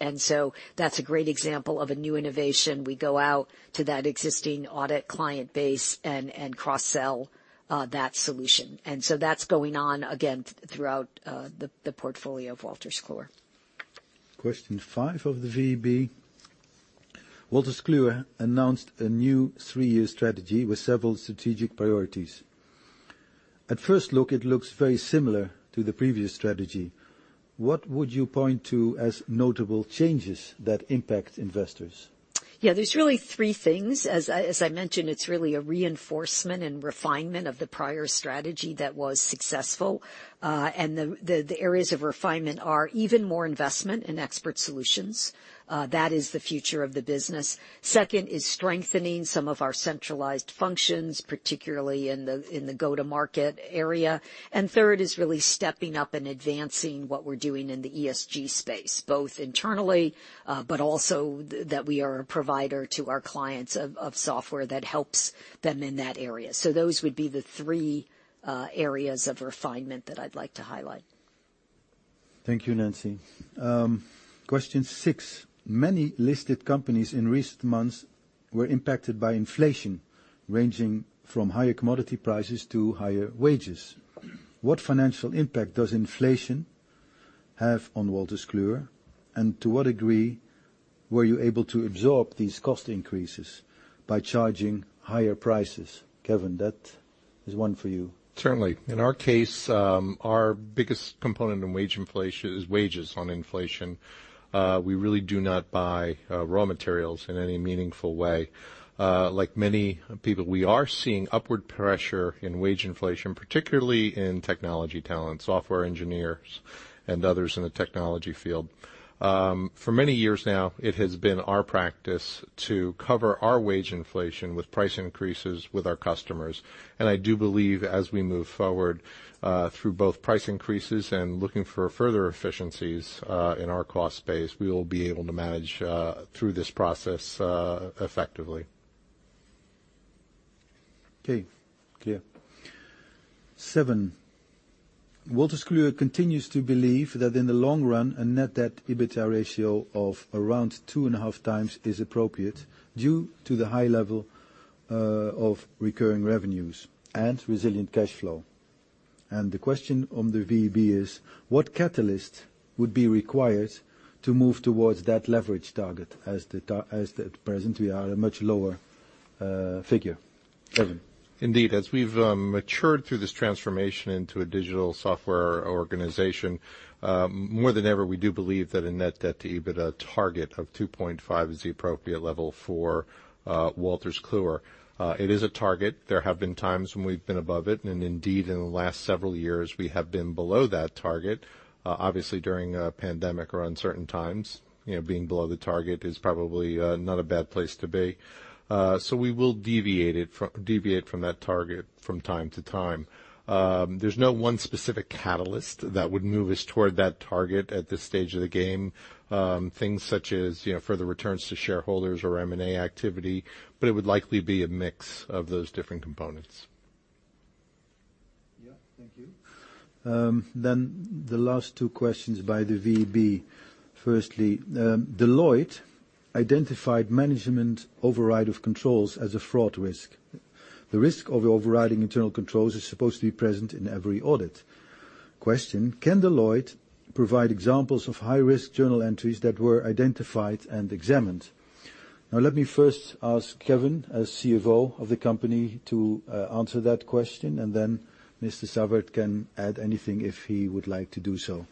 That's a great example of a new innovation. We go out to that existing audit client base and cross-sell that solution. That's going on, again, throughout the portfolio of Wolters Kluwer. Question five of the VEB. Wolters Kluwer announced a new three-year strategy with several strategic priorities. At first look, it looks very similar to the previous strategy. What would you point to as notable changes that impact investors? Yeah. There's really three things. As I mentioned, it's really a reinforcement and refinement of the prior strategy that was successful. The areas of refinement are even more investment in expert solutions. That is the future of the business. Second is strengthening some of our centralized functions, particularly in the go-to-market area. Third is really stepping up and advancing what we're doing in the ESG space, both internally, but also that we are a provider to our clients of software that helps them in that area. Those would be the three areas of refinement that I'd like to highlight. Thank you, Nancy. Question six. Many listed companies in recent months were impacted by inflation, ranging from higher commodity prices to higher wages. What financial impact does inflation have on Wolters Kluwer, and to what degree were you able to absorb these cost increases by charging higher prices? Kevin, that is one for you. Certainly. In our case, our biggest component of inflation is wage inflation. We really do not buy raw materials in any meaningful way. Like many people, we are seeing upward pressure in wage inflation, particularly in technology talent, software engineers, and others in the technology field. For many years now, it has been our practice to cover our wage inflation with price increases with our customers. I do believe as we move forward, through both price increases and looking for further efficiencies in our cost base, we will be able to manage through this process effectively. Okay. Clear. Seven. Wolters Kluwer continues to believe that in the long run, a net debt EBITDA ratio of around 2.5x is appropriate due to the high level of recurring revenues and resilient cash flow. The question on the VEB is what catalyst would be required to move towards that leverage target as at present, we are at a much lower figure? Kevin. Indeed, as we've matured through this transformation into a digital software organization, more than ever, we do believe that a net debt to EBITA target of 2.5x is the appropriate level for Wolters Kluwer. It is a target. There have been times when we've been above it, and indeed, in the last several years, we have been below that target. Obviously during a pandemic or uncertain times, you know, being below the target is probably not a bad place to be. We will deviate from that target from time to time. There's no one specific catalyst that would move us toward that target at this stage of the game. Things such as, you know, further returns to shareholders or M&A activity, but it would likely be a mix of those different components. Yeah, thank you. The last two questions by the VEB. Firstly, Deloitte identified management override of controls as a fraud risk. The risk of overriding internal controls is supposed to be present in every audit. Question, can Deloitte provide examples of high-risk journal entries that were identified and examined? Now, let me first ask Kevin, as CFO of the company, to answer that question, and then Mr. Savert can add anything if he would like to do so.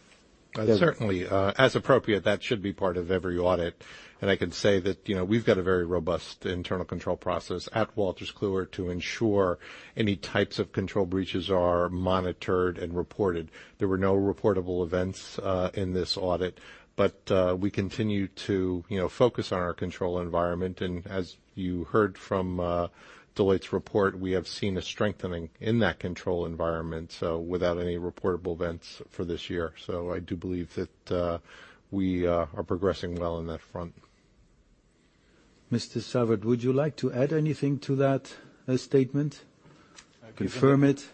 Kevin. Certainly. As appropriate, that should be part of every audit. I can say that, you know, we've got a very robust internal control process at Wolters Kluwer to ensure any types of control breaches are monitored and reported. There were no reportable events in this audit, but we continue to, you know, focus on our control environment. As you heard from Deloitte's report, we have seen a strengthening in that control environment, so without any reportable events for this year. I do believe that we are progressing well on that front. Mr. Savert, would you like to add anything to that, statement? Confirm it.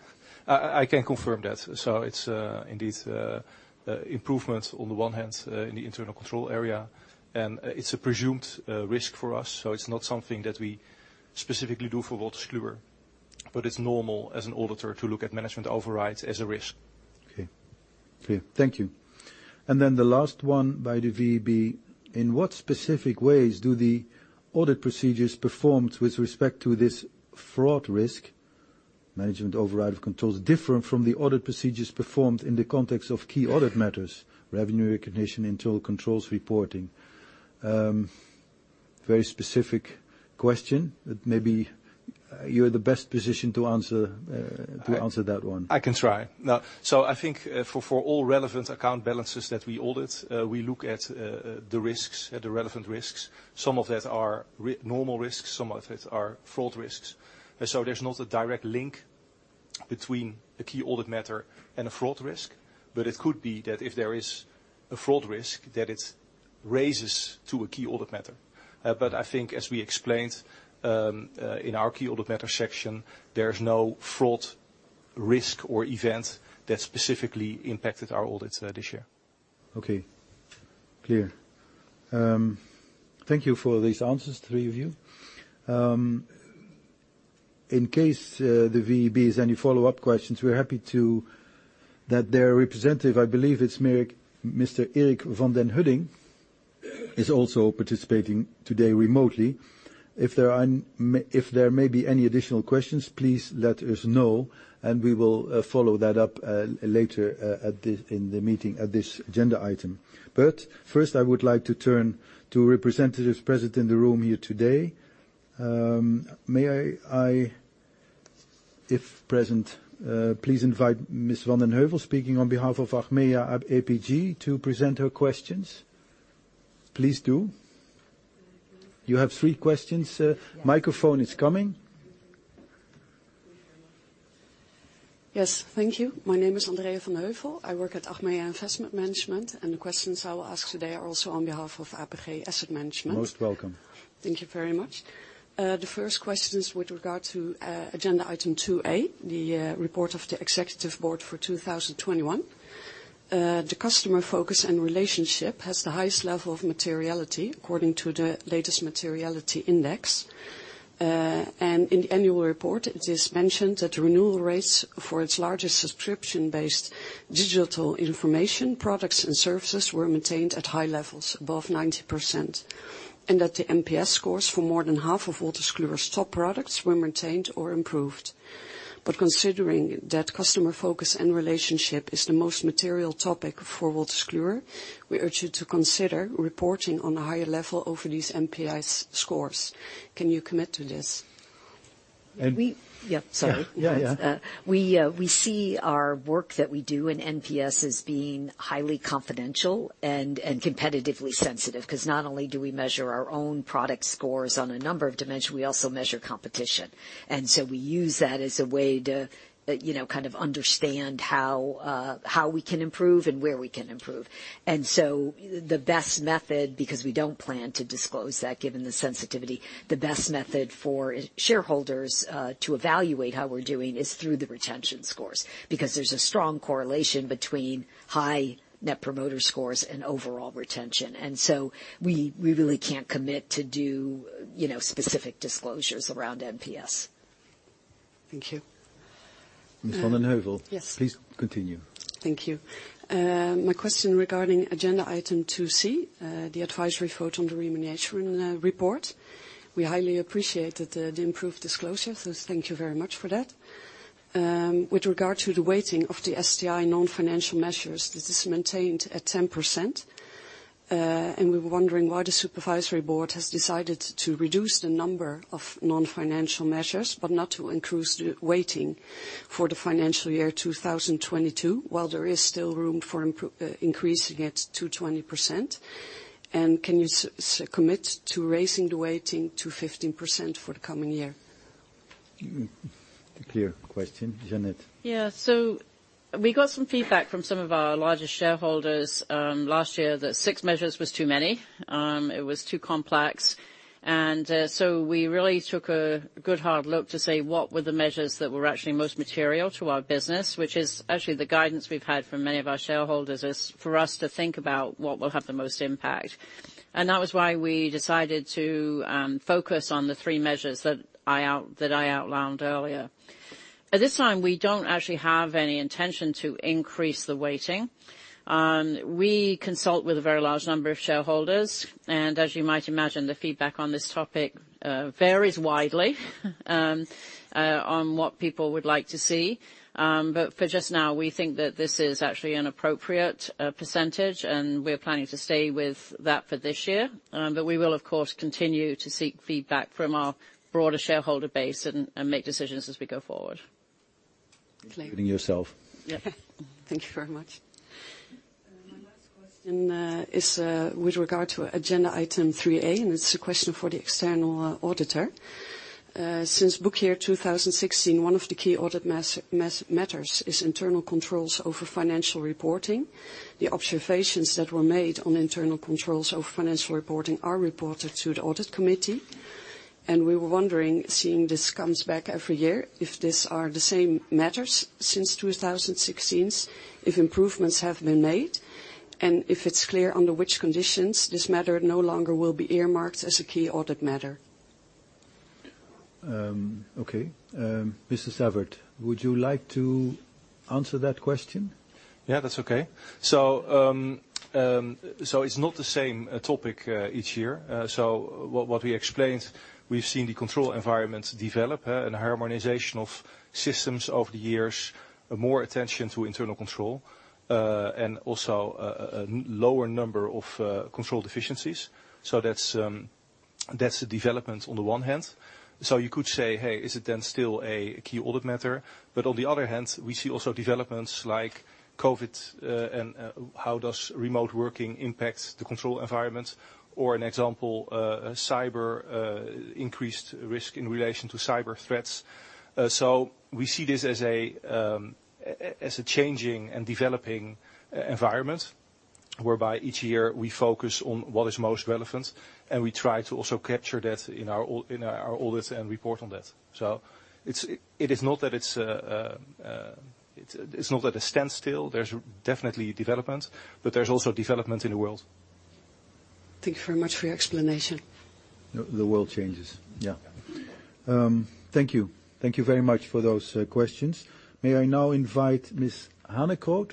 I can confirm that. It's indeed improvements on the one hand in the internal control area, and it's a presumed risk for us, so it's not something that we specifically do for Wolters Kluwer. It's normal as an auditor to look at management overrides as a risk. Okay. Clear. Thank you. The last one by the VEB, in what specific ways do the audit procedures performed with respect to this fraud risk, management override of controls, differ from the audit procedures performed in the context of key audit matters, revenue recognition, internal controls reporting? Very specific question that maybe you're in the best position to answer that one. I can try. No. I think, for all relevant account balances that we audit, we look at the relevant risks. Some of that are normal risks, some of it are fraud risks. There's not a direct link between a key audit matter and a fraud risk. But it could be that if there is a fraud risk, that it raises to a key audit matter. But I think as we explained, in our key audit matter section, there's no fraud risk or event that specifically impacted our audits, this year. Okay. Clear. Thank you for these answers, the three of you. In case the VEB has any follow-up questions, we're happy to. Their representative, I believe is Mr. Erik van den Hudding, is also participating today remotely. If there may be any additional questions, please let us know, and we will follow that up later at the meeting at this agenda item. First, I would like to turn to representatives present in the room here today. May I, if present, please invite Ms. van den Heuvel, speaking on behalf of Achmea APG, to present her questions? Please do. You have three questions. Microphone is coming. Yes. Thank you. My name is Andrea van den Heuvel. I work at Achmea Investment Management, and the questions I will ask today are also on behalf of APG Asset Management. Most welcome. Thank you very much. The first question is with regard to agenda item 2A, the report of the Executive Board for 2021. The customer focus and relationship has the highest level of materiality according to the latest materiality index. In the annual report, it is mentioned that the renewal rates for its largest subscription-based digital information products and services were maintained at high levels above 90%, and that the NPS scores for more than half of Wolters Kluwer's top products were maintained or improved. Considering that customer focus and relationship is the most material topic for Wolters Kluwer, we urge you to consider reporting on a higher level over these NPS scores. Can you commit to this? And- Yeah. Sorry. Yeah, yeah. We see our work that we do in NPS as being highly confidential and competitively sensitive, 'cause not only do we measure our own product scores on a number of dimensions, we also measure competition. We use that as a way to, you know, kind of understand how we can improve and where we can improve. The best method, because we don't plan to disclose that given the sensitivity, the best method for shareholders to evaluate how we're doing is through the retention scores, because there's a strong correlation between high net promoter scores and overall retention. We really can't commit to do, you know, specific disclosures around NPS. Thank you. Ms. van den Heuvel Yes Please continue. Thank you. My question regarding agenda item 2C, the advisory vote on the remuneration report. We highly appreciated the improved disclosure, so thank you very much for that. With regard to the weighting of the STI non-financial measures, is this maintained at 10%? We were wondering why the supervisory board has decided to reduce the number of non-financial measures, but not to increase the weighting for the financial year 2022 while there is still room for increasing it to 20%. Can you commit to raising the weighting to 15% for the coming year? Clear question. Jeanette. Yeah. We got some feedback from some of our largest shareholders last year that six measures was too many. It was too complex. We really took a good hard look to say what were the measures that were actually most material to our business, which is actually the guidance we've had from many of our shareholders is for us to think about what will have the most impact. That was why we decided to focus on the three measures that I outlined earlier. At this time, we don't actually have any intention to increase the weighting. We consult with a very large number of shareholders, and as you might imagine, the feedback on this topic varies widely on what people would like to see. For just now, we think that this is actually an appropriate percentage, and we're planning to stay with that for this year. We will of course continue to seek feedback from our broader shareholder base and make decisions as we go forward. Clear. Including yourself. Yeah. Thank you very much. My last question is with regard to agenda item 3A, and it's a question for the external auditor. Since book year 2016, one of the key audit matters is internal controls over financial reporting. The observations that were made on internal controls over financial reporting are reported to the audit committee, and we were wondering, seeing this comes back every year, if these are the same matters since 2016, if improvements have been made, and if it's clear under which conditions this matter no longer will be earmarked as a key audit matter. Okay. Mr. Sauveur, would you like to answer that question? Yeah, that's okay. It's not the same topic each year. What we explained, we've seen the control environments develop and harmonization of systems over the years, more attention to internal control, and also a lower number of control deficiencies. That's the development on the one hand. You could say, Hey, is it then still a key audit matter? We see also developments like COVID and how does remote working impact the control environment? An example, cyber, increased risk in relation to cyber threats. We see this as a changing and developing environment, whereby each year we focus on what is most relevant, and we try to also capture that in our audits and report on that. It is not that it's not at a standstill. There's definitely development, but there's also development in the world. Thank you very much for your explanation. The world changes. Yeah. Thank you. Thank you very much for those questions. May I now invite Ms. Hanekroot?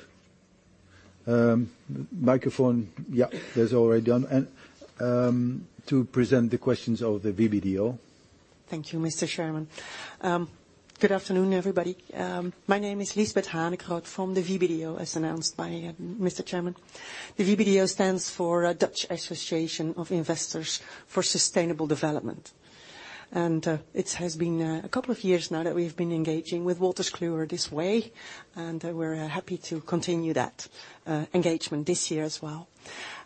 Microphone. Yeah, that's already on. To present the questions of the VBDO. Thank you, Mr. Chairman. Good afternoon, everybody. My name is Liesbet Hanekroot from the VBDO, as announced by Mr. Chairman. The VBDO stands for Dutch Association of Investors for Sustainable Development. It has been a couple of years now that we've been engaging with Wolters Kluwer this way, and we're happy to continue that engagement this year as well.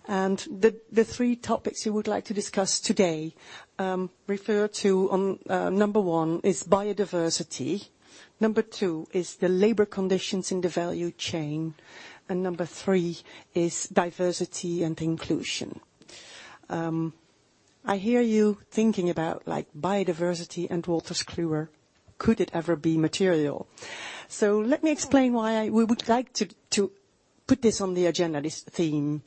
The three topics we would like to discuss today refer to number one is biodiversity. Number two is the labor conditions in the value chain, and number three is diversity and inclusion. I hear you thinking about, like, biodiversity and Wolters Kluwer. Could it ever be material? Let me explain why we would like to put this on the agenda, this theme.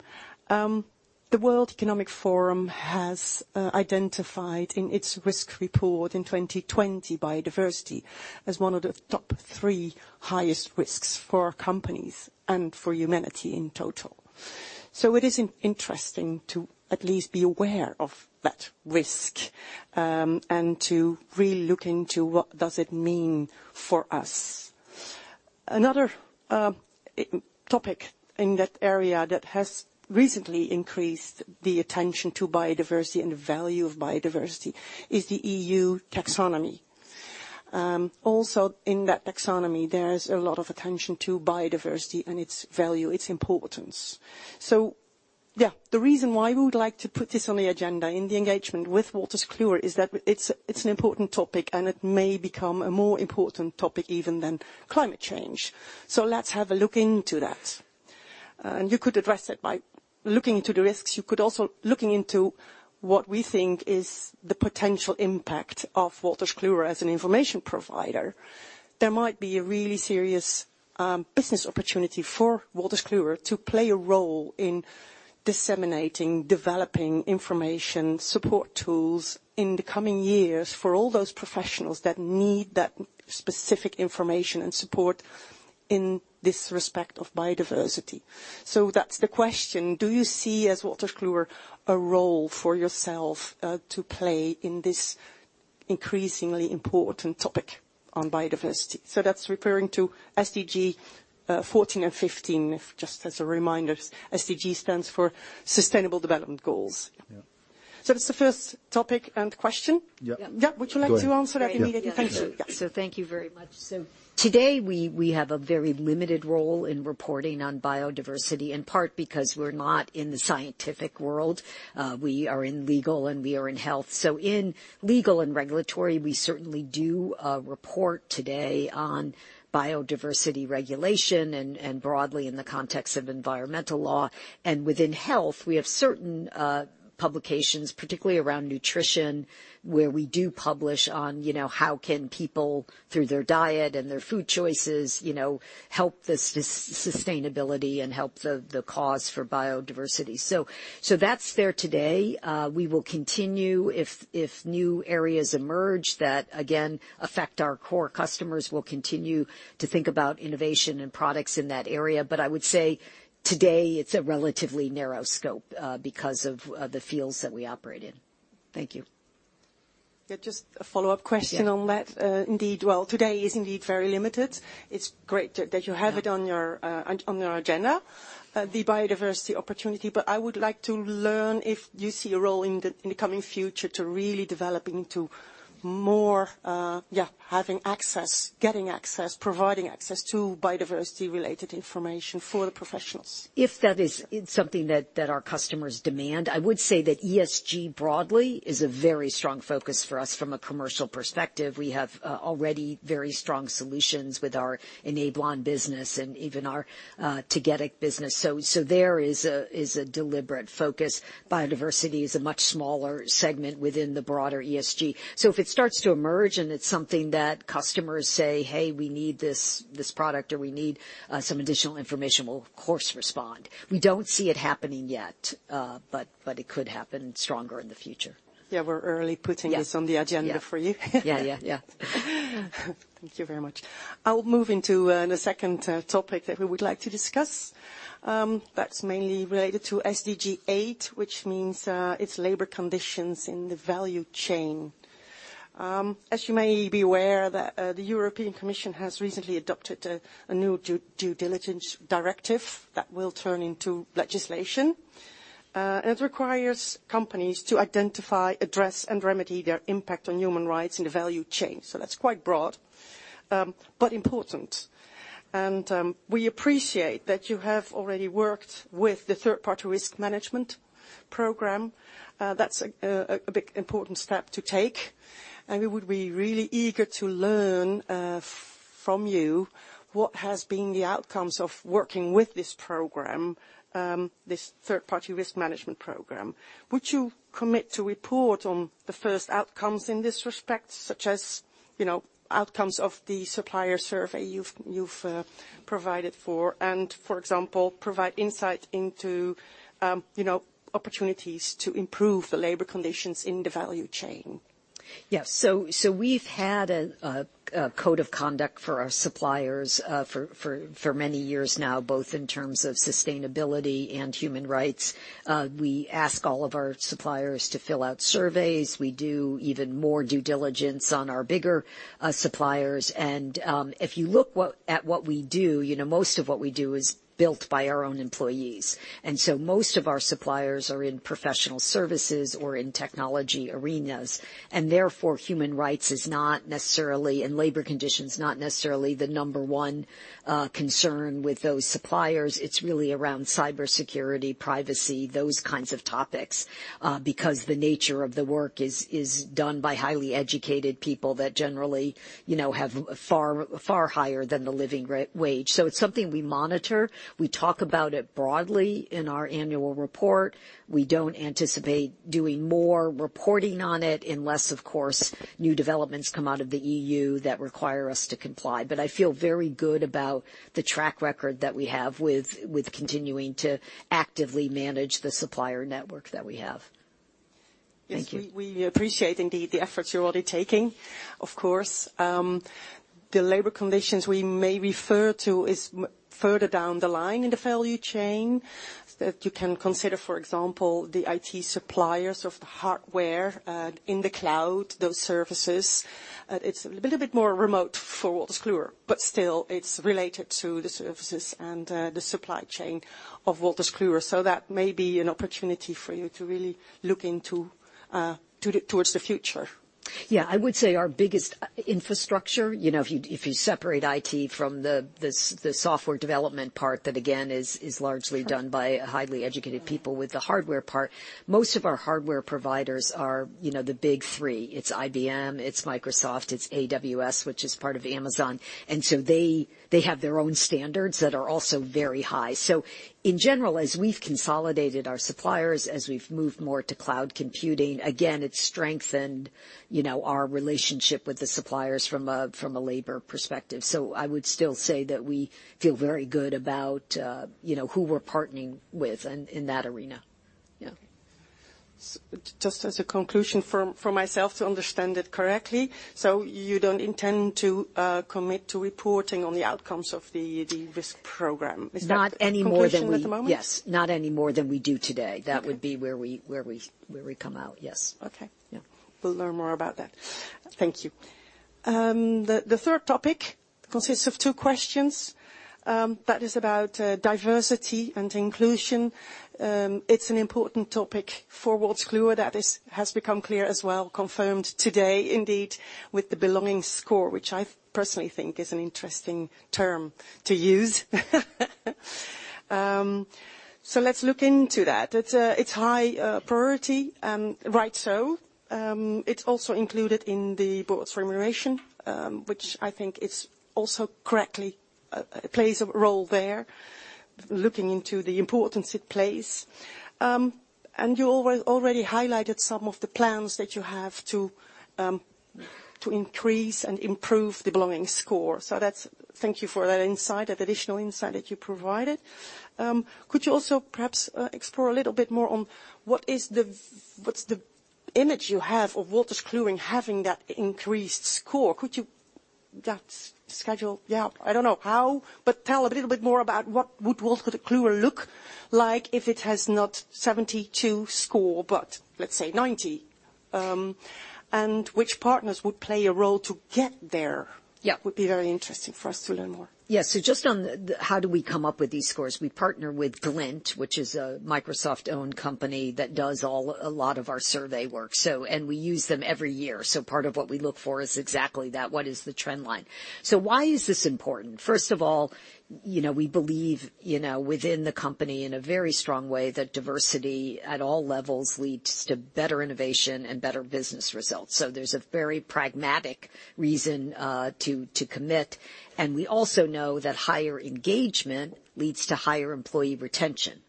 The World Economic Forum has identified in its risk report in 2020 biodiversity as one of the top three highest risks for our companies and for humanity in total. It is interesting to at least be aware of that risk, and to really look into what does it mean for us. Another topic in that area that has recently increased the attention to biodiversity and the value of biodiversity is the EU Taxonomy. Also in that taxonomy, there is a lot of attention to biodiversity and its value, its importance. Yeah, the reason why we would like to put this on the agenda in the engagement with Wolters Kluwer is that it's an important topic, and it may become a more important topic even than climate change. Let's have a look into that. You could address it by looking into the risks. You could also look into what we think is the potential impact of Wolters Kluwer as an information provider. There might be a really serious business opportunity for Wolters Kluwer to play a role in disseminating, developing information, support tools in the coming years for all those professionals that need that specific information and support in this respect of biodiversity. That's the question: do you see, as Wolters Kluwer, a role for yourself to play in this increasingly important topic on biodiversity? That's referring to SDG 14 and 15. Just as a reminder, SDG stands for Sustainable Development Goals. That's the first topic and question. Would you like to answer that immediately? Thank you. Thank you very much. Today, we have a very limited role in reporting on biodiversity, in part because we're not in the scientific world. We are in legal, and we are in health. In legal and regulatory, we certainly do report today on biodiversity regulation and broadly in the context of environmental law. Within health, we have certain publications, particularly around nutrition, where we do publish on, you know, how can people, through their diet and their food choices, you know, help the sustainability and help the cause for biodiversity. That's there today. We will continue if new areas emerge that, again, affect our core customers. We'll continue to think about innovation and products in that area. I would say today it's a relatively narrow scope, because of the fields that we operate in. Thank you. Yeah, just a follow-up question on that. Yeah Well, today is indeed very limited. It's great that you have it on your agenda, the biodiversity opportunity, but I would like to learn if you see a role in the coming future to really developing into more, having access, getting access, providing access to biodiversity-related information for the professionals. If that is something that our customers demand. I would say that ESG broadly is a very strong focus for us from a commercial perspective. We have already very strong solutions with our Enablon business and even our Tagetik business. There is a deliberate focus. Biodiversity is a much smaller segment within the broader ESG. If it starts to emerge and it's something that customers say, "Hey, we need this product," or, "We need some additional information," we'll of course respond. We don't see it happening yet, but it could happen stronger in the future. Yeah. We're already putting this. Yeah On the agenda for you. Yeah. Yeah. Yeah. Thank you very much. I'll move into the second topic that we would like to discuss. That's mainly related to SDG 8, which means it's labor conditions in the value chain. As you may be aware, the European Commission has recently adopted a new Due Diligence Directive that will turn into legislation. It requires companies to identify, address, and remedy their impact on human rights in the value chain. That's quite broad, but important. We appreciate that you have already worked with the third-party risk management program. That's a big, important step to take, and we would be really eager to learn from you what has been the outcomes of working with this program, this third-party risk management program. Would you commit to report on the first outcomes in this respect, such as, you know, outcomes of the supplier survey you've provided for and, for example, provide insight into, you know, opportunities to improve the labor conditions in the value chain? We've had a code of conduct for our suppliers for many years now, both in terms of sustainability and human rights. We ask all of our suppliers to fill out surveys. We do even more due diligence on our bigger suppliers. If you look at what we do, you know, most of what we do is built by our own employees. Most of our suppliers are in professional services or in technology arenas, and therefore, human rights is not necessarily, and labor conditions, not necessarily the number one concern with those suppliers. It's really around cybersecurity, privacy, those kinds of topics, because the nature of the work is done by highly educated people that generally, you know, have far higher than the living wage. It's something we monitor. We talk about it broadly in our annual report. We don't anticipate doing more reporting on it unless, of course, new developments come out of the EU that require us to comply. I feel very good about the track record that we have with continuing to actively manage the supplier network that we have. Thank you. Yes. We appreciate indeed the efforts you're already taking. Of course. The labor conditions we may refer to is further down the line in the value chain, that you can consider, for example, the IT suppliers of the hardware, in the cloud, those services. It's a little bit more remote for Wolters Kluwer, but still it's related to the services and, the supply chain of Wolters Kluwer. That may be an opportunity for you to really look into, towards the future. Yeah. I would say our biggest infrastructure, you know, if you separate IT from the software development part, that again is largely done by highly educated people with the hardware part. Most of our hardware providers are, you know, the big three. It's IBM, it's Microsoft, it's AWS, which is part of Amazon. They have their own standards that are also very high. In general, as we've consolidated our suppliers, as we've moved more to cloud computing, again, it's strengthened, you know, our relationship with the suppliers from a labor perspective. I would still say that we feel very good about, you know, who we're partnering with in that arena. Yeah. Just as a conclusion for myself to understand it correctly. You don't intend to commit to reporting on the outcomes of the risk program? Is that- Not any more than we- The conclusion at the moment? Yes. Not any more than we do today. Okay. That would be where we come out. Yes. Okay. Yeah. We'll learn more about that. Thank you. The third topic consists of two questions that is about diversity and inclusion. It's an important topic for Wolters Kluwer. That has become clear as well, confirmed today indeed with the belonging score, which I personally think is an interesting term to use. Let's look into that. It's high priority, right so. It's also included in the board's remuneration, which I think it's also correctly plays a role there, looking into the importance it plays. You already highlighted some of the plans that you have to increase and improve the belonging score. That's thank you for that insight, that additional insight that you provided. Could you also perhaps explore a little bit more on what is the, what's the image you have of Wolters Kluwer having that increased score? That schedule, yeah, I don't know how, but tell a little bit more about what would Wolters Kluwer look like if it has not 72 score, but let's say 90, and which partners would play a role to get there? Yeah. Would be very interesting for us to learn more. Just on the how do we come up with these scores, we partner with Glint, which is a Microsoft-owned company that does a lot of our survey work, and we use them every year. Part of what we look for is exactly that, what is the trend line? Why is this important? First of all, you know, we believe, you know, within the company in a very strong way that diversity at all levels leads to better innovation and better business results. There's a very pragmatic reason to commit. We also know that higher engagement leads to higher employee retention.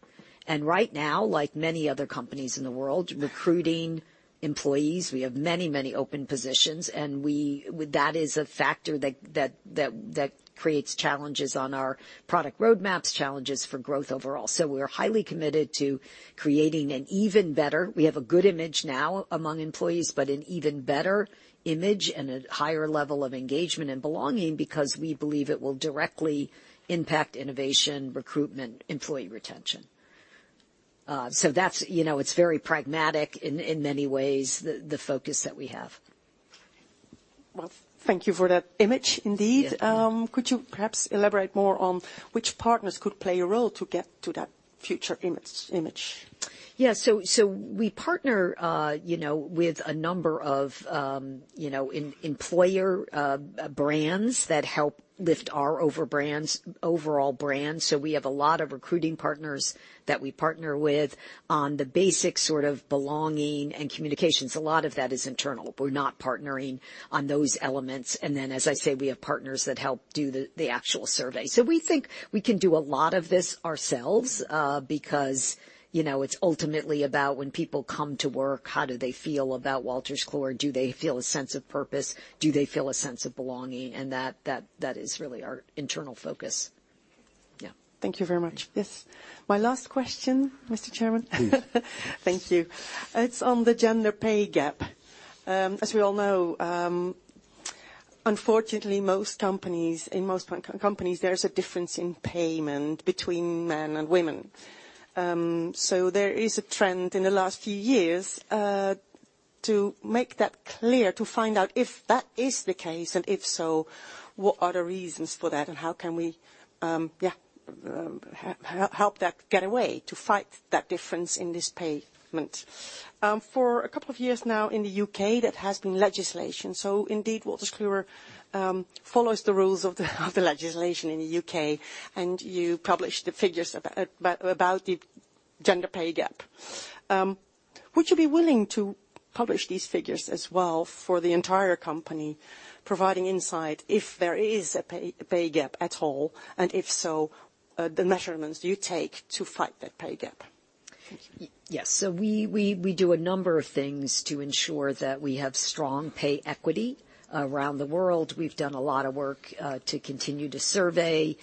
Right now, like many other companies in the world, recruiting employees, we have many open positions, and that is a factor that creates challenges on our product roadmaps, challenges for growth overall. We're highly committed to creating an even better, we have a good image now among employees, but an even better image and a higher level of engagement and belonging because we believe it will directly impact innovation, recruitment, employee retention. That's, you know, it's very pragmatic in many ways, the focus that we have. Well, thank you for that image indeed. Yes. Could you perhaps elaborate more on which partners could play a role to get to that future image? Yeah. We partner, you know, with a number of, you know, employer brands that help lift our overall brand. We have a lot of recruiting partners that we partner with on the basic sort of belonging and communications. A lot of that is internal. We're not partnering on those elements. Then, as I say, we have partners that help do the actual survey. We think we can do a lot of this ourselves, because, you know, it's ultimately about when people come to work, how do they feel about Wolters Kluwer? Do they feel a sense of purpose? Do they feel a sense of belonging? That is really our internal focus. Yeah. Thank you very much. Yes. My last question, Mr. Chairman. Please. Thank you. It's on the gender pay gap. As we all know, unfortunately, in most companies, there's a difference in payment between men and women. There is a trend in the last few years to make that clear, to find out if that is the case, and if so, what are the reasons for that, and how can we help that get away to fight that difference in this payment? For a couple of years now in the U.K., that has been legislation. Indeed, Wolters Kluwer follows the rules of the legislation in the U.K., and you publish the figures about the gender pay gap. Would you be willing to publish these figures as well for the entire company, providing insight if there is a pay gap at all, and if so, the measurements you take to fight that pay gap? Yes. We do a number of things to ensure that we have strong pay equity around the world. We've done a lot of work to continue to survey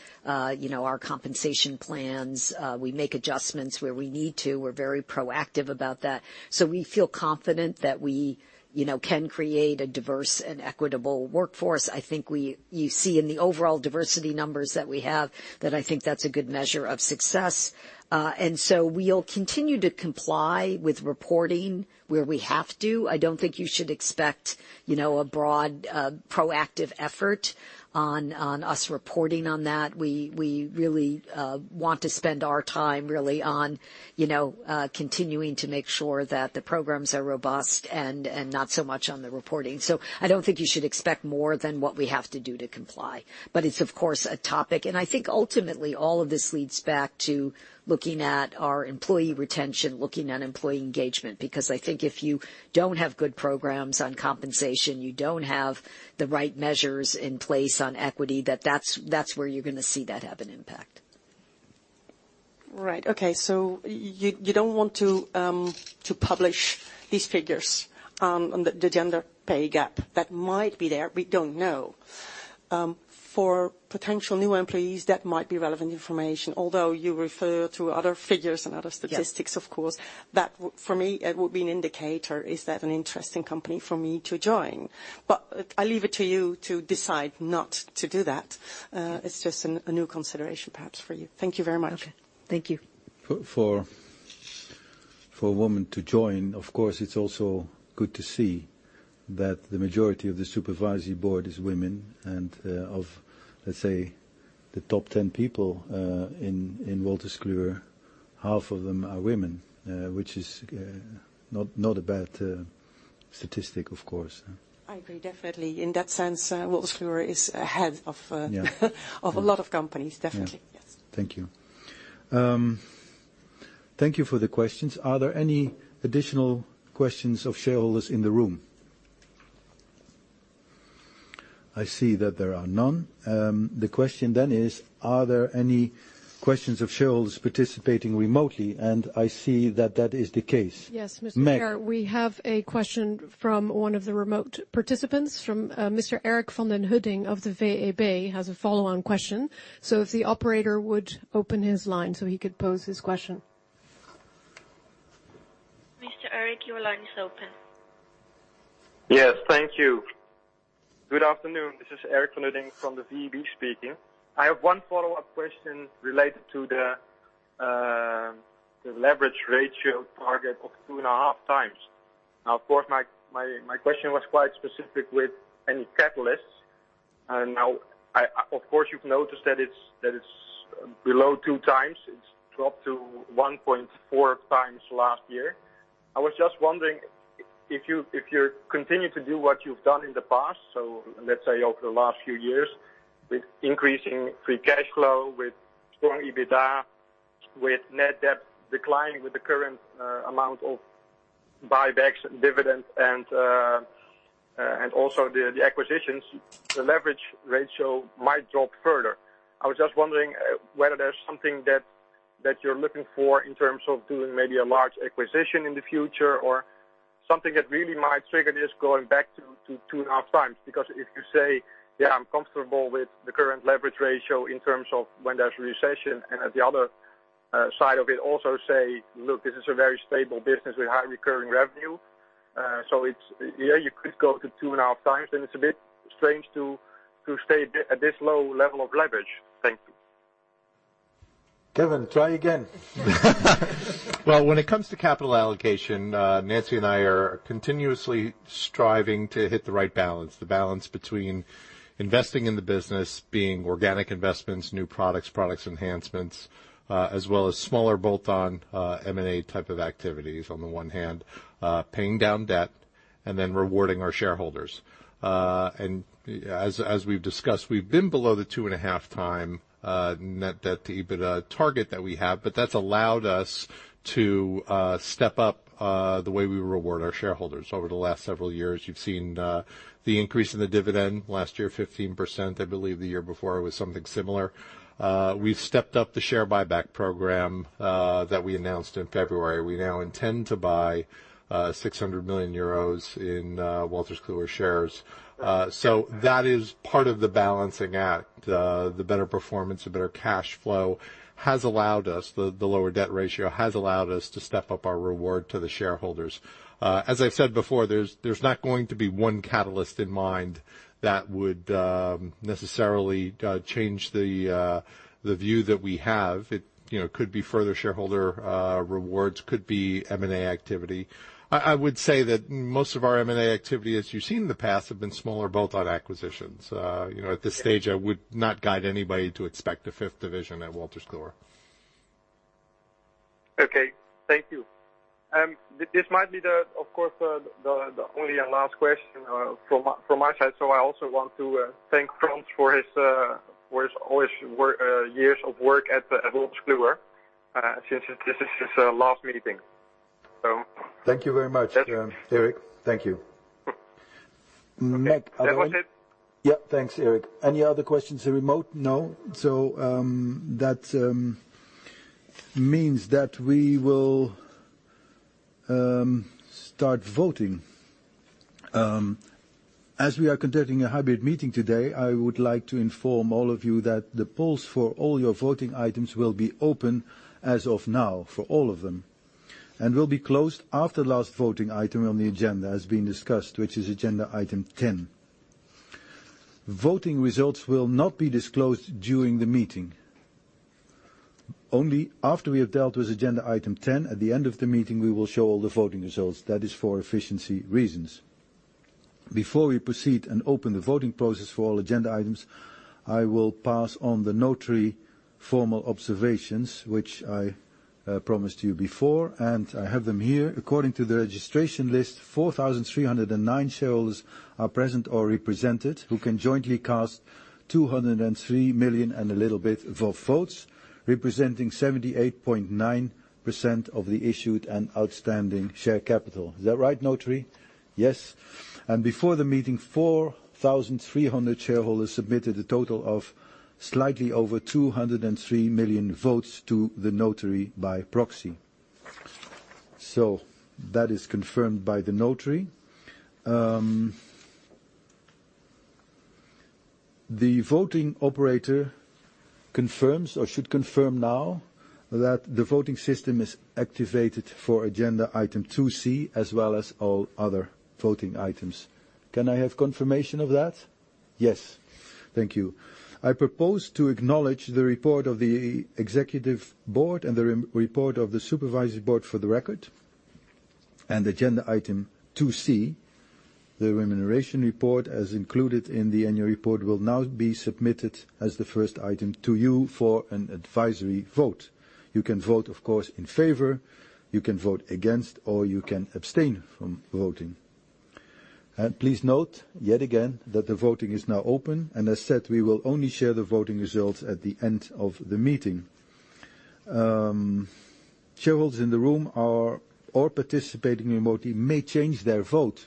you know, our compensation plans. We make adjustments where we need to. We're very proactive about that. We feel confident that we you know, can create a diverse and equitable workforce. I think you see in the overall diversity numbers that we have that I think that's a good measure of success. We'll continue to comply with reporting where we have to. I don't think you should expect you know, a broad proactive effort on us reporting on that. We really want to spend our time really on, you know, continuing to make sure that the programs are robust and not so much on the reporting. I don't think you should expect more than what we have to do to comply. It's, of course, a topic, and I think ultimately all of this leads back to looking at our employee retention, looking at employee engagement, because I think if you don't have good programs on compensation, you don't have the right measures in place on equity, that's where you're gonna see that have an impact. Right. Okay. You don't want to publish these figures on the gender pay gap that might be there. We don't know. For potential new employees, that might be relevant information. Although you refer to other figures and other statistics. Yeah. Of course. That for me, it would be an indicator, is that an interesting company for me to join? I leave it to you to decide not to do that. It's just a new consideration perhaps for you. Thank you very much. Okay. Thank you. For a woman to join, of course, it's also good to see that the majority of the Supervisory Board is women and, let's say, the top 10 people in Wolters Kluwer, half of them are women, which is not a bad statistic, of course. I agree, definitely. In that sense, Wolters Kluwer is ahead of- Yeah. A lot of companies, definitely. Yeah. Yes. Thank you. Thank you for the questions. Are there any additional questions of shareholders in the room? I see that there are none. The question then is, are there any questions of shareholders participating remotely? I see that that is the case. Yes, Mr. Chair. Meg. We have a question from one of the remote participants. Mr. Erik van den Hudding of the VEB has a follow-on question. If the operator would open his line so he could pose his question. Yes. Thank you. Good afternoon. This is Erik van den Hudding from the VEB speaking. I have one follow-up question related to the leverage ratio target of 2.5x. Now, of course, my question was quite specific with any catalysts. Now I, of course, you've noticed that it's below 2x. It's dropped to 1.4x last year. I was just wondering if you continue to do what you've done in the past, so let's say over the last few years, with increasing free cash flow, with strong EBITDA, with net debt declining with the current amount of buybacks, dividend, and also the acquisitions, the leverage ratio might drop further. I was just wondering whether there's something that you're looking for in terms of doing maybe a large acquisition in the future or something that really might trigger this going back to 2.5x. Because if you say, "Yeah, I'm comfortable with the current leverage ratio in terms of when there's a recession," and at the other side of it, also say, "Look, this is a very stable business with high recurring revenue." So it's yeah, you could go to 2.5x, then it's a bit strange to stay at this low level of leverage. Thank you. Kevin, try again. Well, when it comes to capital allocation, Nancy and I are continuously striving to hit the right balance, the balance between investing in the business, being organic investments, new products enhancements, as well as smaller bolt-on, M&A type of activities on the one hand, paying down debt and then rewarding our shareholders. As we've discussed, we've been below the 2.5x net debt to EBITDA target that we have, but that's allowed us to step up the way we reward our shareholders. Over the last several years, you've seen the increase in the dividend. Last year, 15%. I believe the year before it was something similar. We've stepped up the share buyback program that we announced in February. We now intend to buy 600 million euros in Wolters Kluwer shares. That is part of the balancing act. The better performance, the better cash flow has allowed us. The lower debt ratio has allowed us to step up our reward to the shareholders. As I've said before, there's not going to be one catalyst in mind that would necessarily change the view that we have. It, you know, could be further shareholder rewards, could be M&A activity. I would say that most of our M&A activity, as you've seen in the past, have been smaller bolt-on acquisitions. You know, at this stage, I would not guide anybody to expect a fifth division at Wolters Kluwer. Okay. Thank you. This might be, of course, the only and last question from my side. I also want to thank Frans for all his years of work at Wolters Kluwer since this is his last meeting. Thank you very much. That's it. Erik. Thank you. Meg, other- That was it. Yeah. Thanks, Erik. Any other questions in remote? No. That means that we will start voting. As we are conducting a hybrid meeting today, I would like to inform all of you that the polls for all your voting items will be open as of now, for all of them, and will be closed after the last voting item on the agenda has been discussed, which is agenda item 10. Voting results will not be disclosed during the meeting. Only after we have dealt with agenda item 10 at the end of the meeting, we will show all the voting results. That is for efficiency reasons. Before we proceed and open the voting process for all agenda items, I will pass on the notary formal observations, which I promised you before, and I have them here. According to the registration list, 4,309 shareholders are present or represented, who can jointly cast 203 million and a little bit of votes, representing 78.9% of the issued and outstanding share capital. Is that right, notary? Yes. Before the meeting, 4,300 shareholders submitted a total of slightly over 203 million votes to the notary by proxy. That is confirmed by the notary. The voting operator confirms or should confirm now that the voting system is activated for agenda item 2C, as well as all other voting items. Can I have confirmation of that? Yes. Thank you. I propose to acknowledge the report of the executive board and the report of the supervisory board for the record and agenda item 2C. The remuneration report, as included in the annual report, will now be submitted as the first item to you for an advisory vote. You can vote, of course, in favor, you can vote against, or you can abstain from voting. Please note, yet again, that the voting is now open. As said, we will only share the voting results at the end of the meeting. Shareholders in the room are all participating remotely may change their vote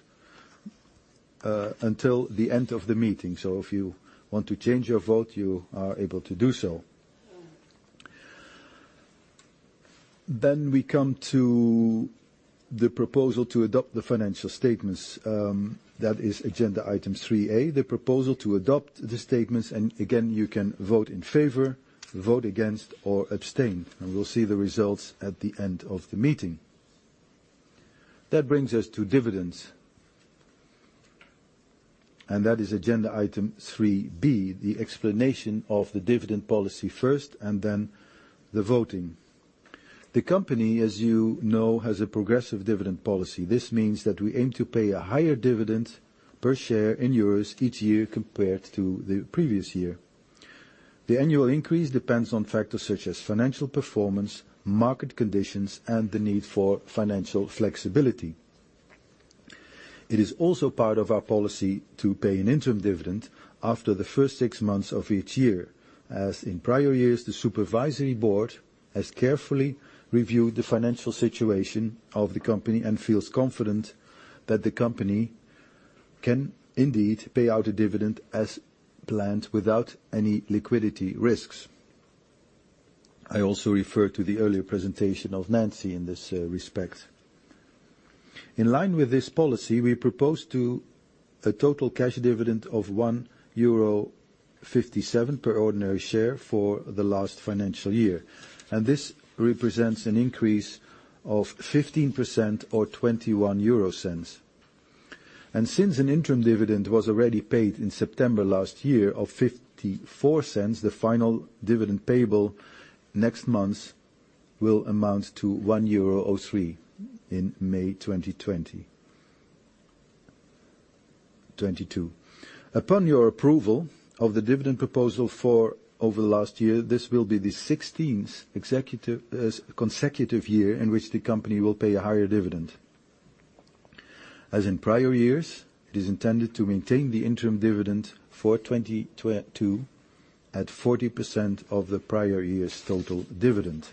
until the end of the meeting. If you want to change your vote, you are able to do so. We come to the proposal to adopt the financial statements, that is agenda item 3A, the proposal to adopt the statements, and again, you can vote in favor, vote against, or abstain, and we'll see the results at the end of the meeting. That brings us to dividends. That is agenda item 3 B, the explanation of the dividend policy first, and then the voting. The company, as you know, has a progressive dividend policy. This means that we aim to pay a higher dividend per share in euros each year compared to the previous year. The annual increase depends on factors such as financial performance, market conditions, and the need for financial flexibility. It is also part of our policy to pay an interim dividend after the first six months of each year. As in prior years, the Supervisory Board has carefully reviewed the financial situation of the company and feels confident that the company can indeed pay out a dividend as planned without any liquidity risks. I also refer to the earlier presentation of Nancy in this respect. In line with this policy, we propose a total cash dividend of 1.57 euro per ordinary share for the last financial year. This represents an increase of 15% or 0.21. Since an interim dividend was already paid in September last year of 0.54, the final dividend payable next month will amount to 1.03 euro in May 2022. Upon your approval of the dividend proposal for the last year, this will be the 16th consecutive year in which the company will pay a higher dividend. As in prior years, it is intended to maintain the interim dividend for 2022 at 40% of the prior year's total dividend.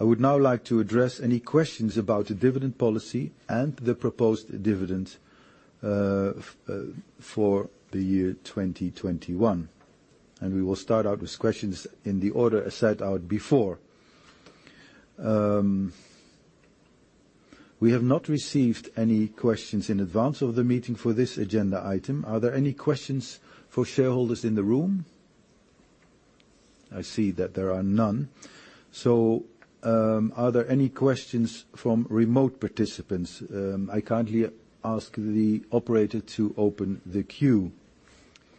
I would now like to address any questions about the dividend policy and the proposed dividend for the year 2021, and we will start out with questions in the order as set out before. We have not received any questions in advance of the meeting for this agenda item. Are there any questions for shareholders in the room? I see that there are none. Are there any questions from remote participants? I kindly ask the operator to open the queue.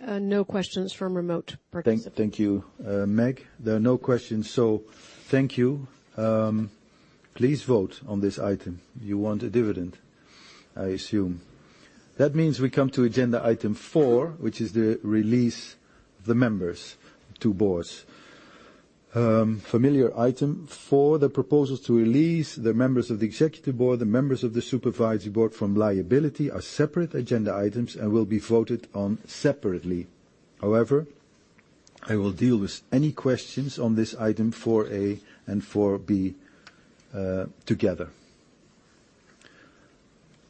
No questions from remote participants. Thank you, Meg. There are no questions, so thank you. Please vote on this item. You want a dividend, I assume. That means we come to agenda item 4, which is the release of the members of the two boards. Familiar item. For the proposals to release the members of the Executive Board, the members of the Supervisory Board from liability are separate agenda items and will be voted on separately. However, I will deal with any questions on this item 4A and 4B together.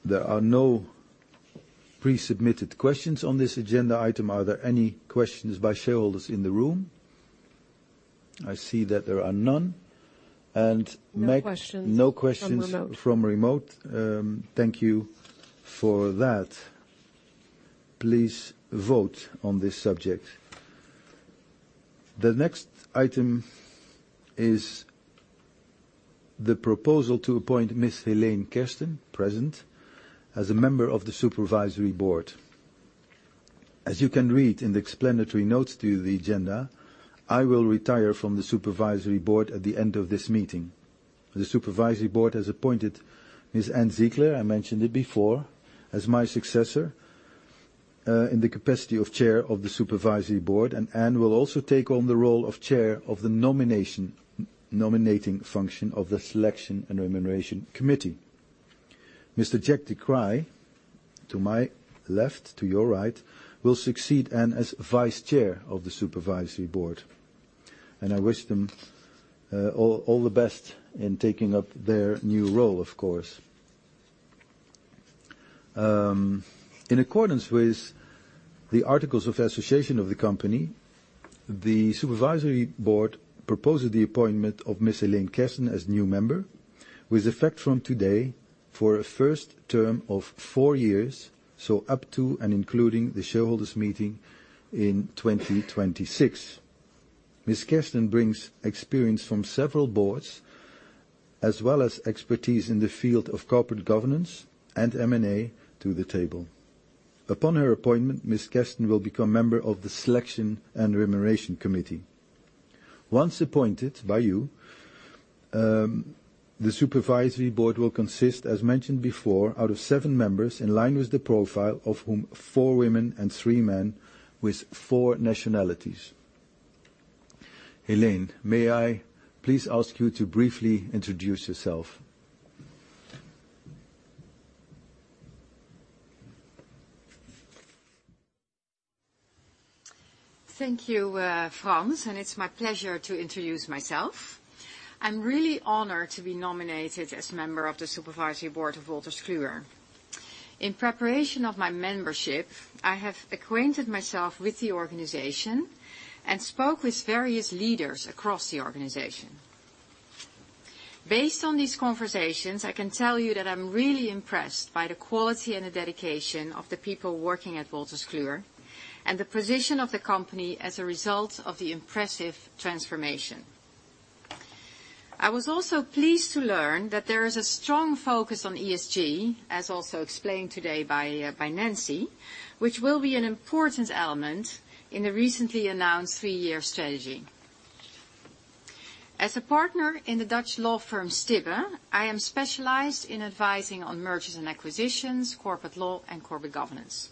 There are no pre-submitted questions on this agenda item. Are there any questions by shareholders in the room? I see that there are none. Meg- No questions from remote. No questions from remote. Thank you for that. Please vote on this subject. The next item is the proposal to appoint Miss Heleen Kersten, present, as a member of the Supervisory Board. As you can read in the explanatory notes to the agenda, I will retire from the Supervisory Board at the end of this meeting. The Supervisory Board has appointed Miss Ann Ziegler, I mentioned it before, as my successor in the capacity of Chair of the Supervisory Board, and Ann will also take on the role of chair of the nominating function of the Selection and Remuneration Committee. Mr. Jack de Kreij, to my left, to your right, will succeed Ann as Vice Chair of the Supervisory Board. I wish them all the best in taking up their new role, of course. In accordance with the articles of association of the company, the Supervisory Board proposes the appointment of Miss Heleen Kersten as new member, with effect from today for a first term of four years, so up to and including the Shareholders' Meeting in 2026. Miss Kersten brings experience from several boards, as well as expertise in the field of corporate governance and M&A to the table. Upon her appointment, Miss Kersten will become member of the Selection and Remuneration Committee. Once appointed by you, the Supervisory Board will consist, as mentioned before, out of seven members, in line with the profile of whom four women and three men with four nationalities. Heleen, may I please ask you to briefly introduce yourself? Thank you, Frans, and it's my pleasure to introduce myself. I'm really honored to be nominated as member of the supervisory board of Wolters Kluwer. In preparation of my membership, I have acquainted myself with the organization and spoke with various leaders across the organization. Based on these conversations, I can tell you that I'm really impressed by the quality and the dedication of the people working at Wolters Kluwer and the position of the company as a result of the impressive transformation. I was also pleased to learn that there is a strong focus on ESG, as also explained today by Nancy, which will be an important element in the recently announced three-year strategy. As a partner in the Dutch law firm, Stibbe, I am specialized in advising on mergers and acquisitions, corporate law and corporate governance.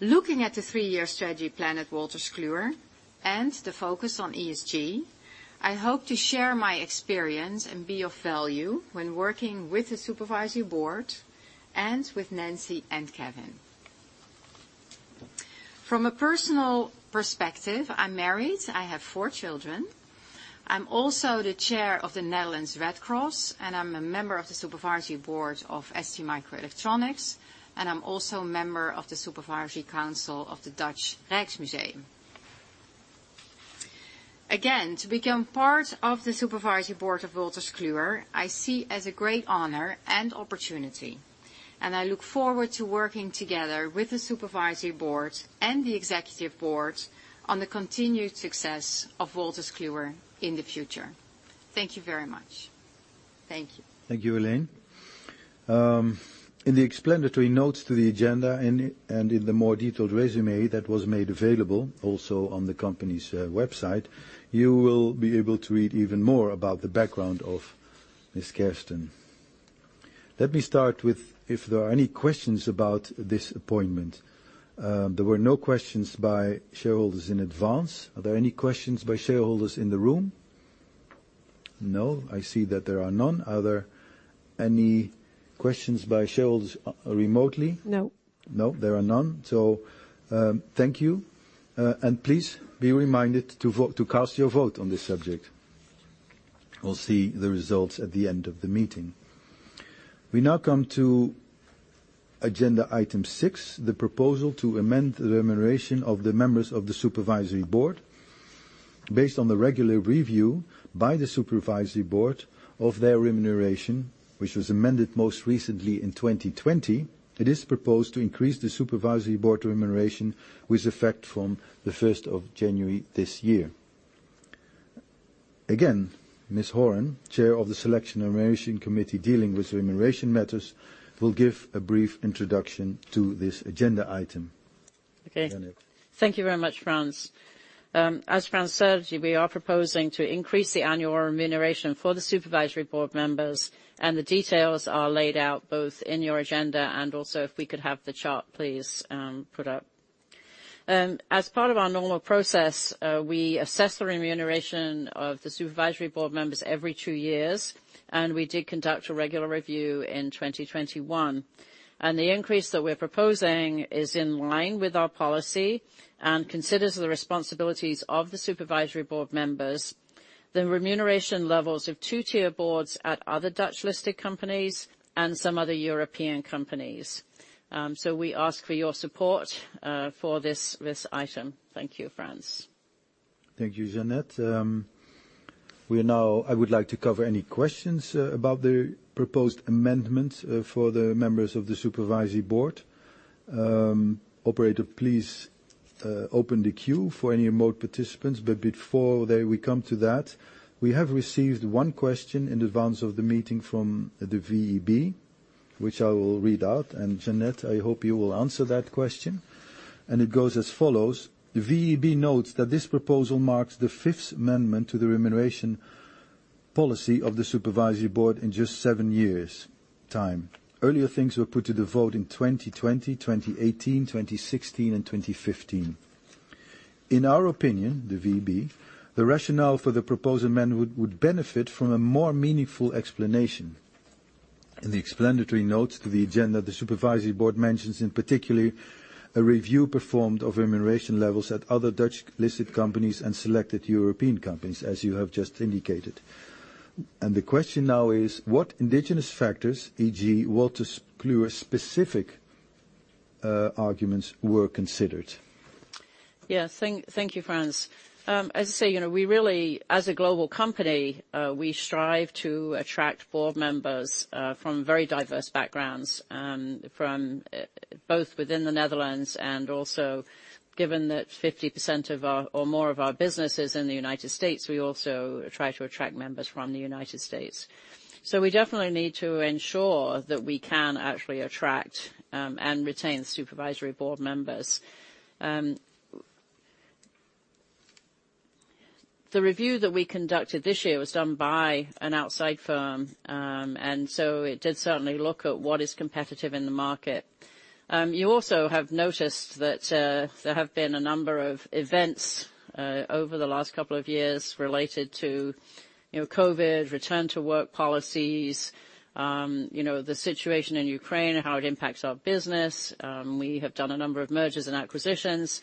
Looking at the three-year strategy plan at Wolters Kluwer and the focus on ESG, I hope to share my experience and be of value when working with the Supervisory Board and with Nancy and Kevin. From a personal perspective, I'm married. I have four children. I'm also the Chair of the Netherlands Red Cross, and I'm a member of the supervisory board of STMicroelectronics, and I'm also a member of the Supervisory Council of the Dutch Rijksmuseum. Again, to become part of the Supervisory Board of Wolters Kluwer, I see as a great honor and opportunity, and I look forward to working together with the Supervisory Board and the Executive Board on the continued success of Wolters Kluwer in the future. Thank you very much. Thank you. Thank you, Heleen. In the explanatory notes to the agenda and in the more detailed résumé that was made available also on the company's website, you will be able to read even more about the background of Miss Kersten. Let me start with if there are any questions about this appointment. There were no questions by shareholders in advance. Are there any questions by shareholders in the room? No. I see that there are none. Are there any questions by shareholders remotely? No. No. There are none. Thank you, and please be reminded to vote, to cast your vote on this subject. We'll see the results at the end of the meeting. We now come to agenda item six, the proposal to amend the remuneration of the members of the Supervisory Board. Based on the regular review by the Supervisory Board of their remuneration, which was amended most recently in 2020, it is proposed to increase the Supervisory Board remuneration with effect from the 1 January this year. Again, Ms. Horan, Chair of the Selection and Remuneration Committee, dealing with remuneration matters, will give a brief introduction to this agenda item. Okay. Janette. Thank you very much, Frans. As Frans said, we are proposing to increase the annual remuneration for the Supervisory Board members, and the details are laid out both in your agenda and also if we could have the chart, please, put up. As part of our normal process, we assess the remuneration of the Supervisory Board members every two years, and we did conduct a regular review in 2021. The increase that we're proposing is in line with our policy and considers the responsibilities of the Supervisory Board members, the remuneration levels of two-tier boards at other Dutch-listed companies and some other European companies. We ask for your support for this item. Thank you, Frans. Thank you, Jeanette. I would like to cover any questions about the proposed amendment for the members of the Supervisory Board. Operator, please, open the queue for any remote participants. Before we come to that, we have received one question in advance of the meeting from the VEB, which I will read out, and, Jeanette, I hope you will answer that question. It goes as follows. The VEB notes that this proposal marks the fifth amendment to the remuneration policy of the Supervisory Board in just seven years' time. Earlier things were put to the vote in 2020, 2018, 2016 and 2015. In our opinion, the VEB, the rationale for the proposed amendment would benefit from a more meaningful explanation. In the explanatory notes to the agenda, the Supervisory Board mentions in particular a review performed of remuneration levels at other Dutch-listed companies and selected European companies, as you have just indicated. The question now is, what endogenous factors, e.g. Wolters Kluwer-specific, arguments were considered? Yeah. Thank you, Frans. As I say, you know, we really, as a global company, we strive to attract board members from very diverse backgrounds, from both within the Netherlands and also given that 50% or more of our business is in the United States, we also try to attract members from the United States. We definitely need to ensure that we can actually attract and retain supervisory board members. The review that we conducted this year was done by an outside firm. It did certainly look at what is competitive in the market. You also have noticed that there have been a number of events over the last couple of years related to, you know, COVID, return to work policies, you know, the situation in Ukraine and how it impacts our business. We have done a number of mergers and acquisitions,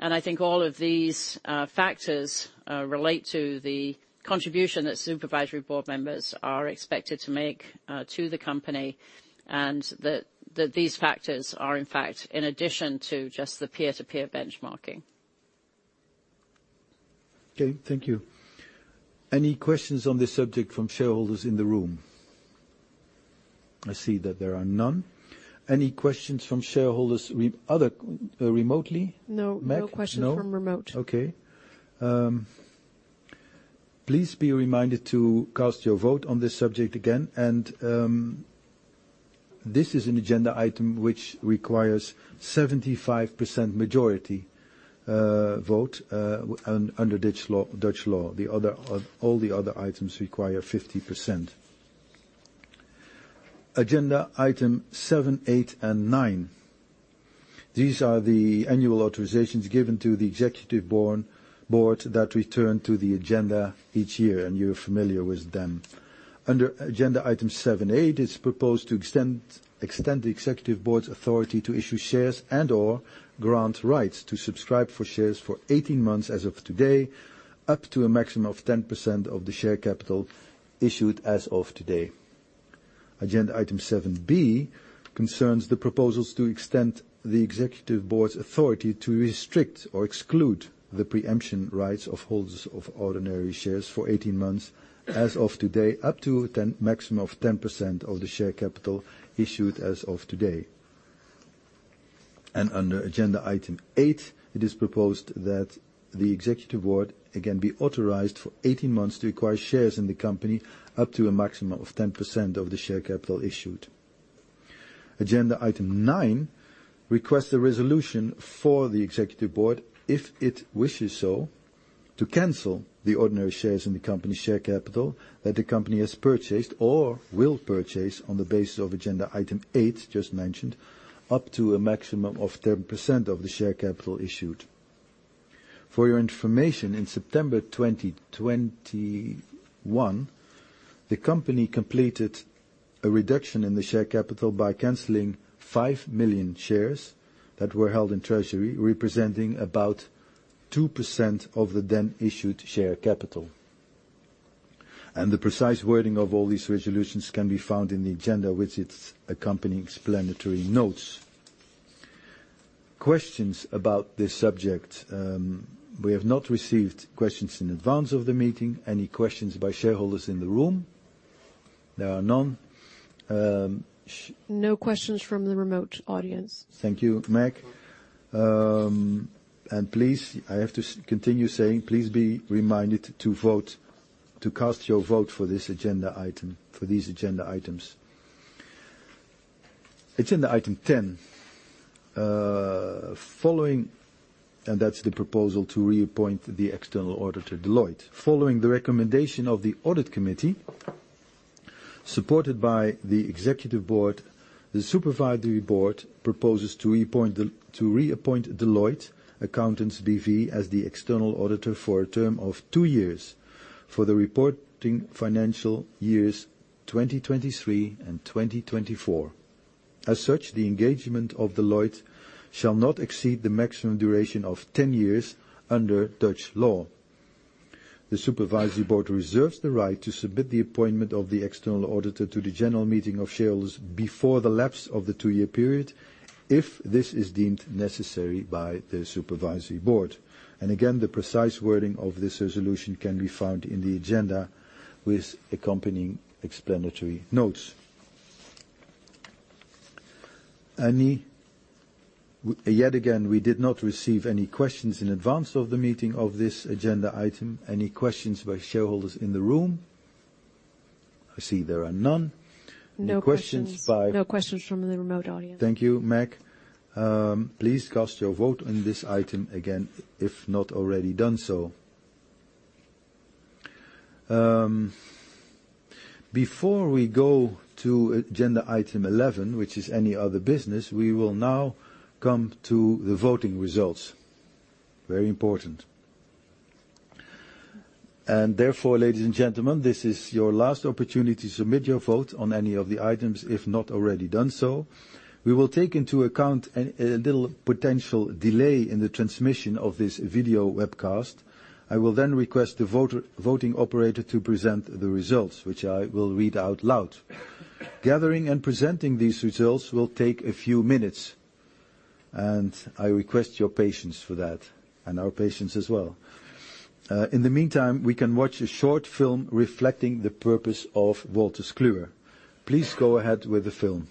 and I think all of these factors relate to the contribution that supervisory board members are expected to make to the company, and that these factors are in fact in addition to just the peer-to-peer benchmarking. Okay, thank you. Any questions on this subject from shareholders in the room? I see that there are none. Any questions from shareholders remotely? Meg? No. No questions from remote. No? Okay. Please be reminded to cast your vote on this subject again, and this is an agenda item which requires 75% majority vote under Dutch law. All the other items require 50%. Agenda item 7, 8, and 9. These are the annual authorizations given to the executive board that return to the agenda each year, and you're familiar with them. Under agenda item 7A, it is proposed to extend the executive board's authority to issue shares and/or grant rights to subscribe for shares for 18 months as of today, up to a maximum of 10% of the share capital issued as of today. Agenda item 7B concerns the proposals to extend the Executive Board's authority to restrict or exclude the pre-emption rights of holders of ordinary shares for 18 months as of today, up to a maximum of 10% of the share capital issued as of today. Under agenda item eight, it is proposed that the Executive Board again be authorized for 18 months to acquire shares in the company up to a maximum of 10% of the share capital issued. Agenda item nine requests a resolution for the Executive Board if it wishes so to cancel the ordinary shares in the company share capital that the company has purchased or will purchase on the basis of agenda item eight, just mentioned, up to a maximum of 10% of the share capital issued. For your information, in September 2021, the company completed a reduction in the share capital by canceling 5 million shares that were held in treasury, representing about 2% of the then issued share capital. The precise wording of all these resolutions can be found in the agenda with its accompanying explanatory notes. Questions about this subject. We have not received questions in advance of the meeting. Any questions by shareholders in the room? There are none. No questions from the remote audience. Thank you, Meg. Please, I have to continue saying, please be reminded to vote, to cast your vote for this agenda item, for these agenda items. It's item 10. Following the recommendation of the Audit Committee, supported by the Executive Board, the Supervisory Board proposes to reappoint Deloitte Accountants BV as the external auditor for a term of two years for the reporting financial years 2023 and 2024. As such, the engagement of Deloitte shall not exceed the maximum duration of 10 years under Dutch law. The Supervisory Board reserves the right to submit the appointment of the external auditor to the general meeting of shareholders before the lapse of the two-year period if this is deemed necessary by the Supervisory Board. Again, the precise wording of this resolution can be found in the agenda with accompanying explanatory notes. Yet again, we did not receive any questions in advance of the meeting of this agenda item. Any questions by shareholders in the room? I see there are none. Any questions by- No questions. No questions from the remote audience. Thank you, Meg. Please cast your vote on this item again, if not already done so. Before we go to agenda item 11, which is any other business, we will now come to the voting results. Very important. Therefore, ladies and gentlemen, this is your last opportunity to submit your vote on any of the items, if not already done so. We will take into account a little potential delay in the transmission of this video webcast. I will then request the voting operator to present the results, which I will read out loud. Gathering and presenting these results will take a few minutes, and I request your patience for that, and our patience as well. In the meantime, we can watch a short film reflecting the purpose of Wolters Kluwer. Please go ahead with the film.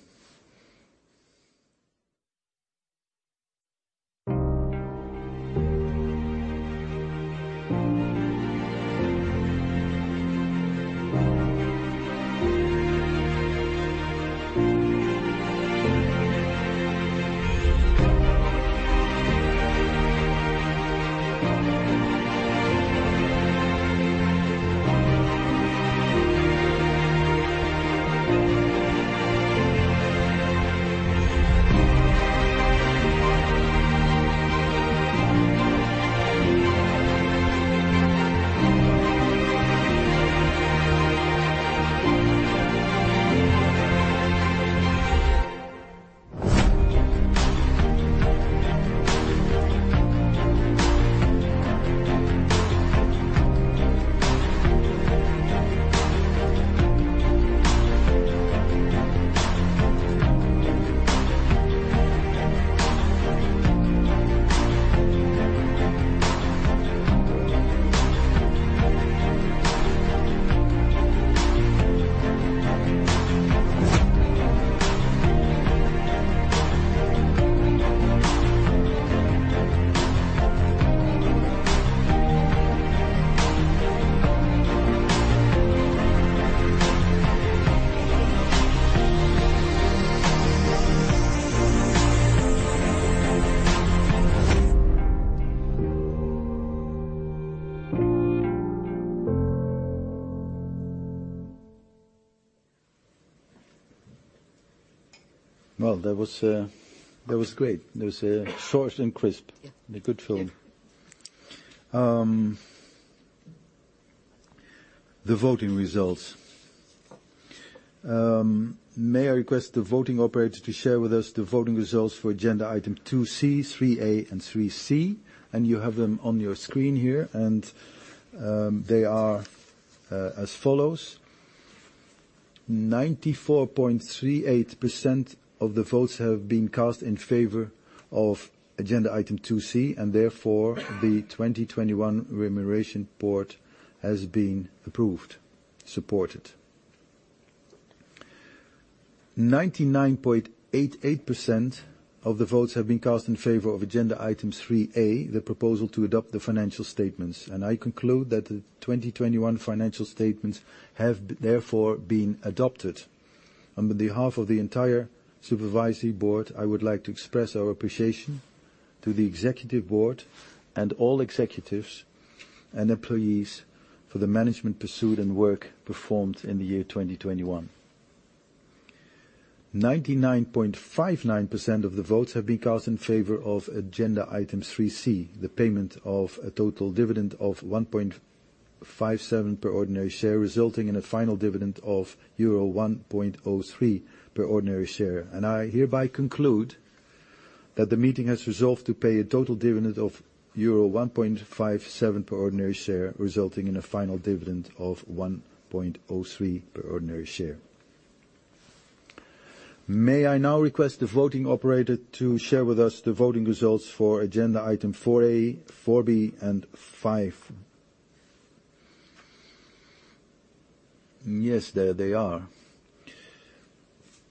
Well, that was great. That was short and crisp. Yeah. A good film. Yeah. The voting results. May I request the voting operator to share with us the voting results for agenda item 2C, 3A, and 3C. You have them on your screen here, and they are as follows. 94.38% of the votes have been cast in favor of agenda item 2C, and therefore the 2021 remuneration report has been approved, supported. 99.88% of the votes have been cast in favor of agenda item 3A, the proposal to adopt the financial statements, and I conclude that the 2021 financial statements have therefore been adopted. On behalf of the entire Supervisory Board, I would like to express our appreciation to the Executive Board and all executives and employees for the management pursued and work performed in the year 2021. 99.59% of the votes have been cast in favor of agenda item 3C, the payment of a total dividend of 1.57 per ordinary share, resulting in a final dividend of euro 1.03 per ordinary share. I hereby conclude that the meeting has resolved to pay a total dividend of euro 1.57 per ordinary share, resulting in a final dividend of 1.03 per ordinary share. May I now request the voting operator to share with us the voting results for agenda item 4A, 4B, and 5. Yes, there they are.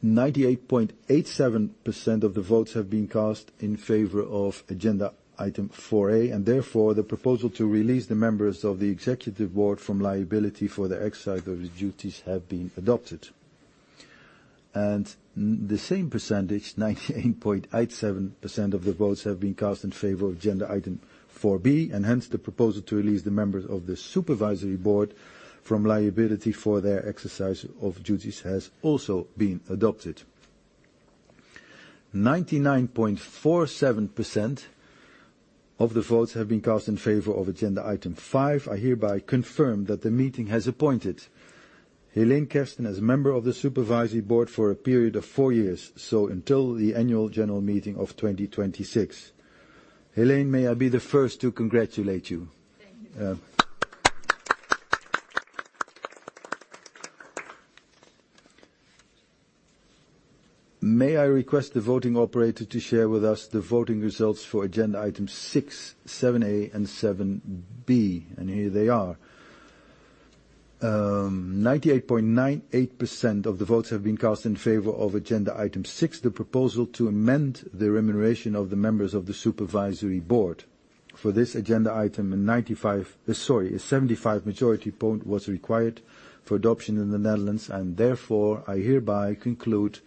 98.87% of the votes have been cast in favor of agenda item 4A, and therefore, the proposal to release the members of the executive board from liability for their exercise of his duties have been adopted. The same percentage, 98.87% of the votes, have been cast in favor of agenda item 4B, and hence the proposal to release the members of the Supervisory Board from liability for their exercise of duties has also been adopted. 99.47% of the votes have been cast in favor of agenda item 5. I hereby confirm that the meeting has appointed Heleen Kersten as a member of the Supervisory Board for a period of four years, so until the Annual General Meeting of 2026. Heleen, may I be the first to congratulate you. Thank you. May I request the voting operator to share with us the voting results for agenda item 6, 7A, and 7B. Here they are. 98.98% of the votes have been cast in favor of agenda item 6, the proposal to amend the remuneration of the members of the Supervisory Board. For this agenda item, a 75% majority was required for adoption in the Netherlands, and therefore, I hereby conclude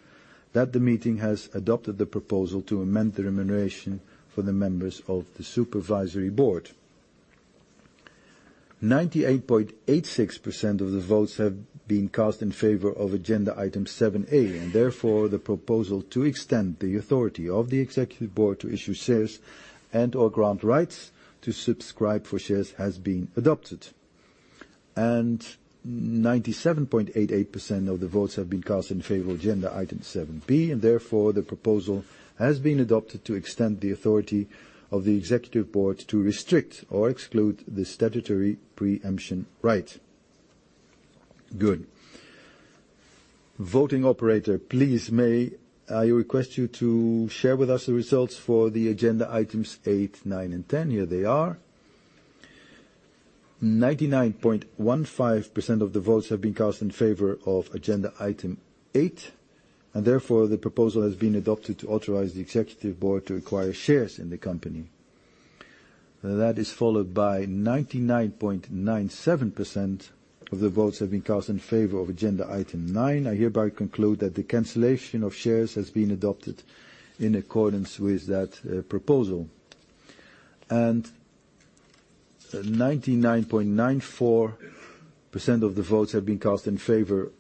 that the meeting has adopted the proposal to amend the remuneration for the members of the Supervisory Board. 98.86% of the votes have been cast in favor of agenda item 7A, and therefore, the proposal to extend the authority of the Executive Board to issue shares and/or grant rights to subscribe for shares has been adopted. Ninety seven point eight eight percent of the votes have been cast in favor of agenda item 7B, and therefore, the proposal has been adopted to extend the authority of the Executive Board to restrict or exclude the statutory pre-emption right. Good. Voting operator, please may I request you to share with us the results for the agenda items 8, 9, and 10. Here they are. Ninety-nine point one five percent of the votes have been cast in favor of agenda item 8, and therefore the proposal has been adopted to authorize the Executive Board to acquire shares in the company. That is followed by ninety-nine point nine seven percent of the votes have been cast in favor of agenda item 9. I hereby conclude that the cancellation of shares has been adopted in accordance with that proposal. 99.94% of the votes have been cast in favor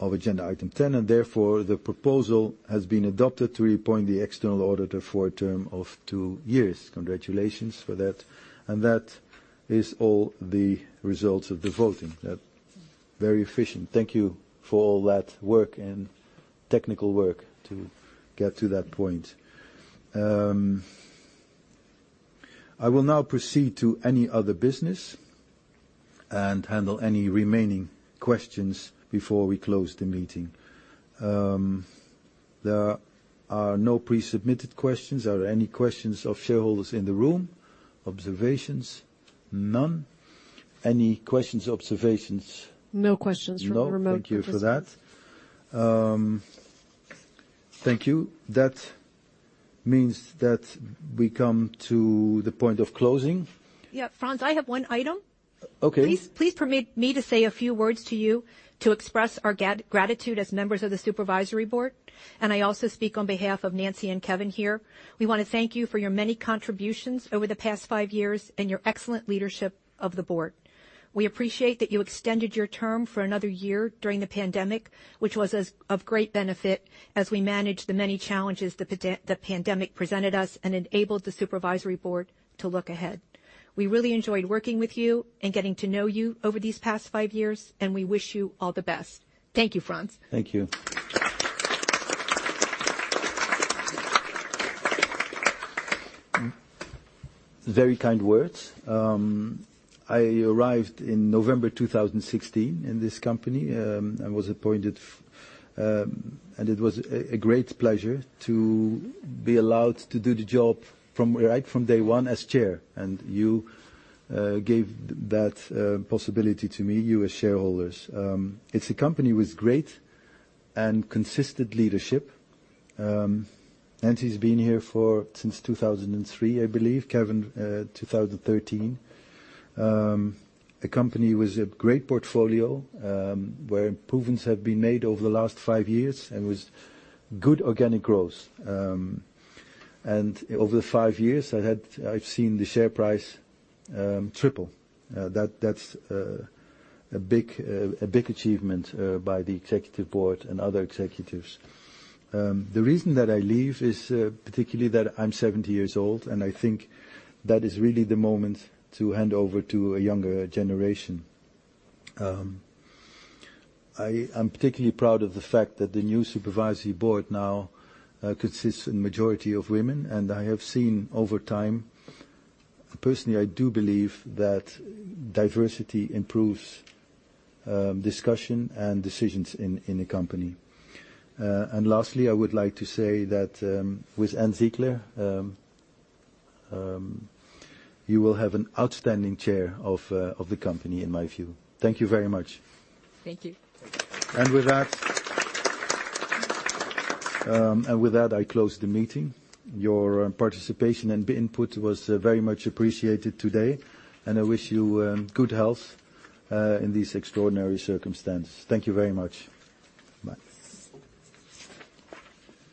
of agenda item 10, and therefore, the proposal has been adopted to reappoint the external auditor for a term of two years. Congratulations for that. That is all the results of the voting. Very efficient. Thank you for all that work and technical work to get to that point. I will now proceed to any other business and handle any remaining questions before we close the meeting. There are no pre-submitted questions. Are there any questions of shareholders in the room? Observations? None. Any questions, observations? No questions from the remote participants. No? Thank you for that. Thank you. That means that we come to the point of closing. Yeah, Frans, I have one item. Okay. Please permit me to say a few words to you to express our gratitude as members of the supervisory board, and I also speak on behalf of Nancy and Kevin here. We want to thank you for your many contributions over the past five years and your excellent leadership of the board. We appreciate that you extended your term for another year during the pandemic, which was of great benefit as we managed the many challenges the pandemic presented us and enabled the supervisory board to look ahead. We really enjoyed working with you and getting to know you over these past five years, and we wish you all the best. Thank you, Frans. Thank you. Very kind words. I arrived in November 2016 in this company. I was appointed, and it was a great pleasure to be allowed to do the job right from day one as chair, and you gave that possibility to me, you as shareholders. It's a company with great and consistent leadership. Nancy's been here since 2003, I believe. Kevin, 2013. The company with a great portfolio, where improvements have been made over the last five years and with good organic growth. Over the five years, I've seen the share price triple. That's a big achievement by the Executive Board and other executives. The reason that I leave is particularly that I'm 70 years old, and I think that is really the moment to hand over to a younger generation. I'm particularly proud of the fact that the new Supervisory Board now consists a majority of women, and I have seen over time, personally, I do believe that diversity improves discussion and decisions in a company. Lastly, I would like to say that with Ann Ziegler you will have an outstanding chair of the company, in my view. Thank you very much. Thank you. With that, I close the meeting. Your participation and input was very much appreciated today, and I wish you good health in these extraordinary circumstances. Thank you very much. Bye.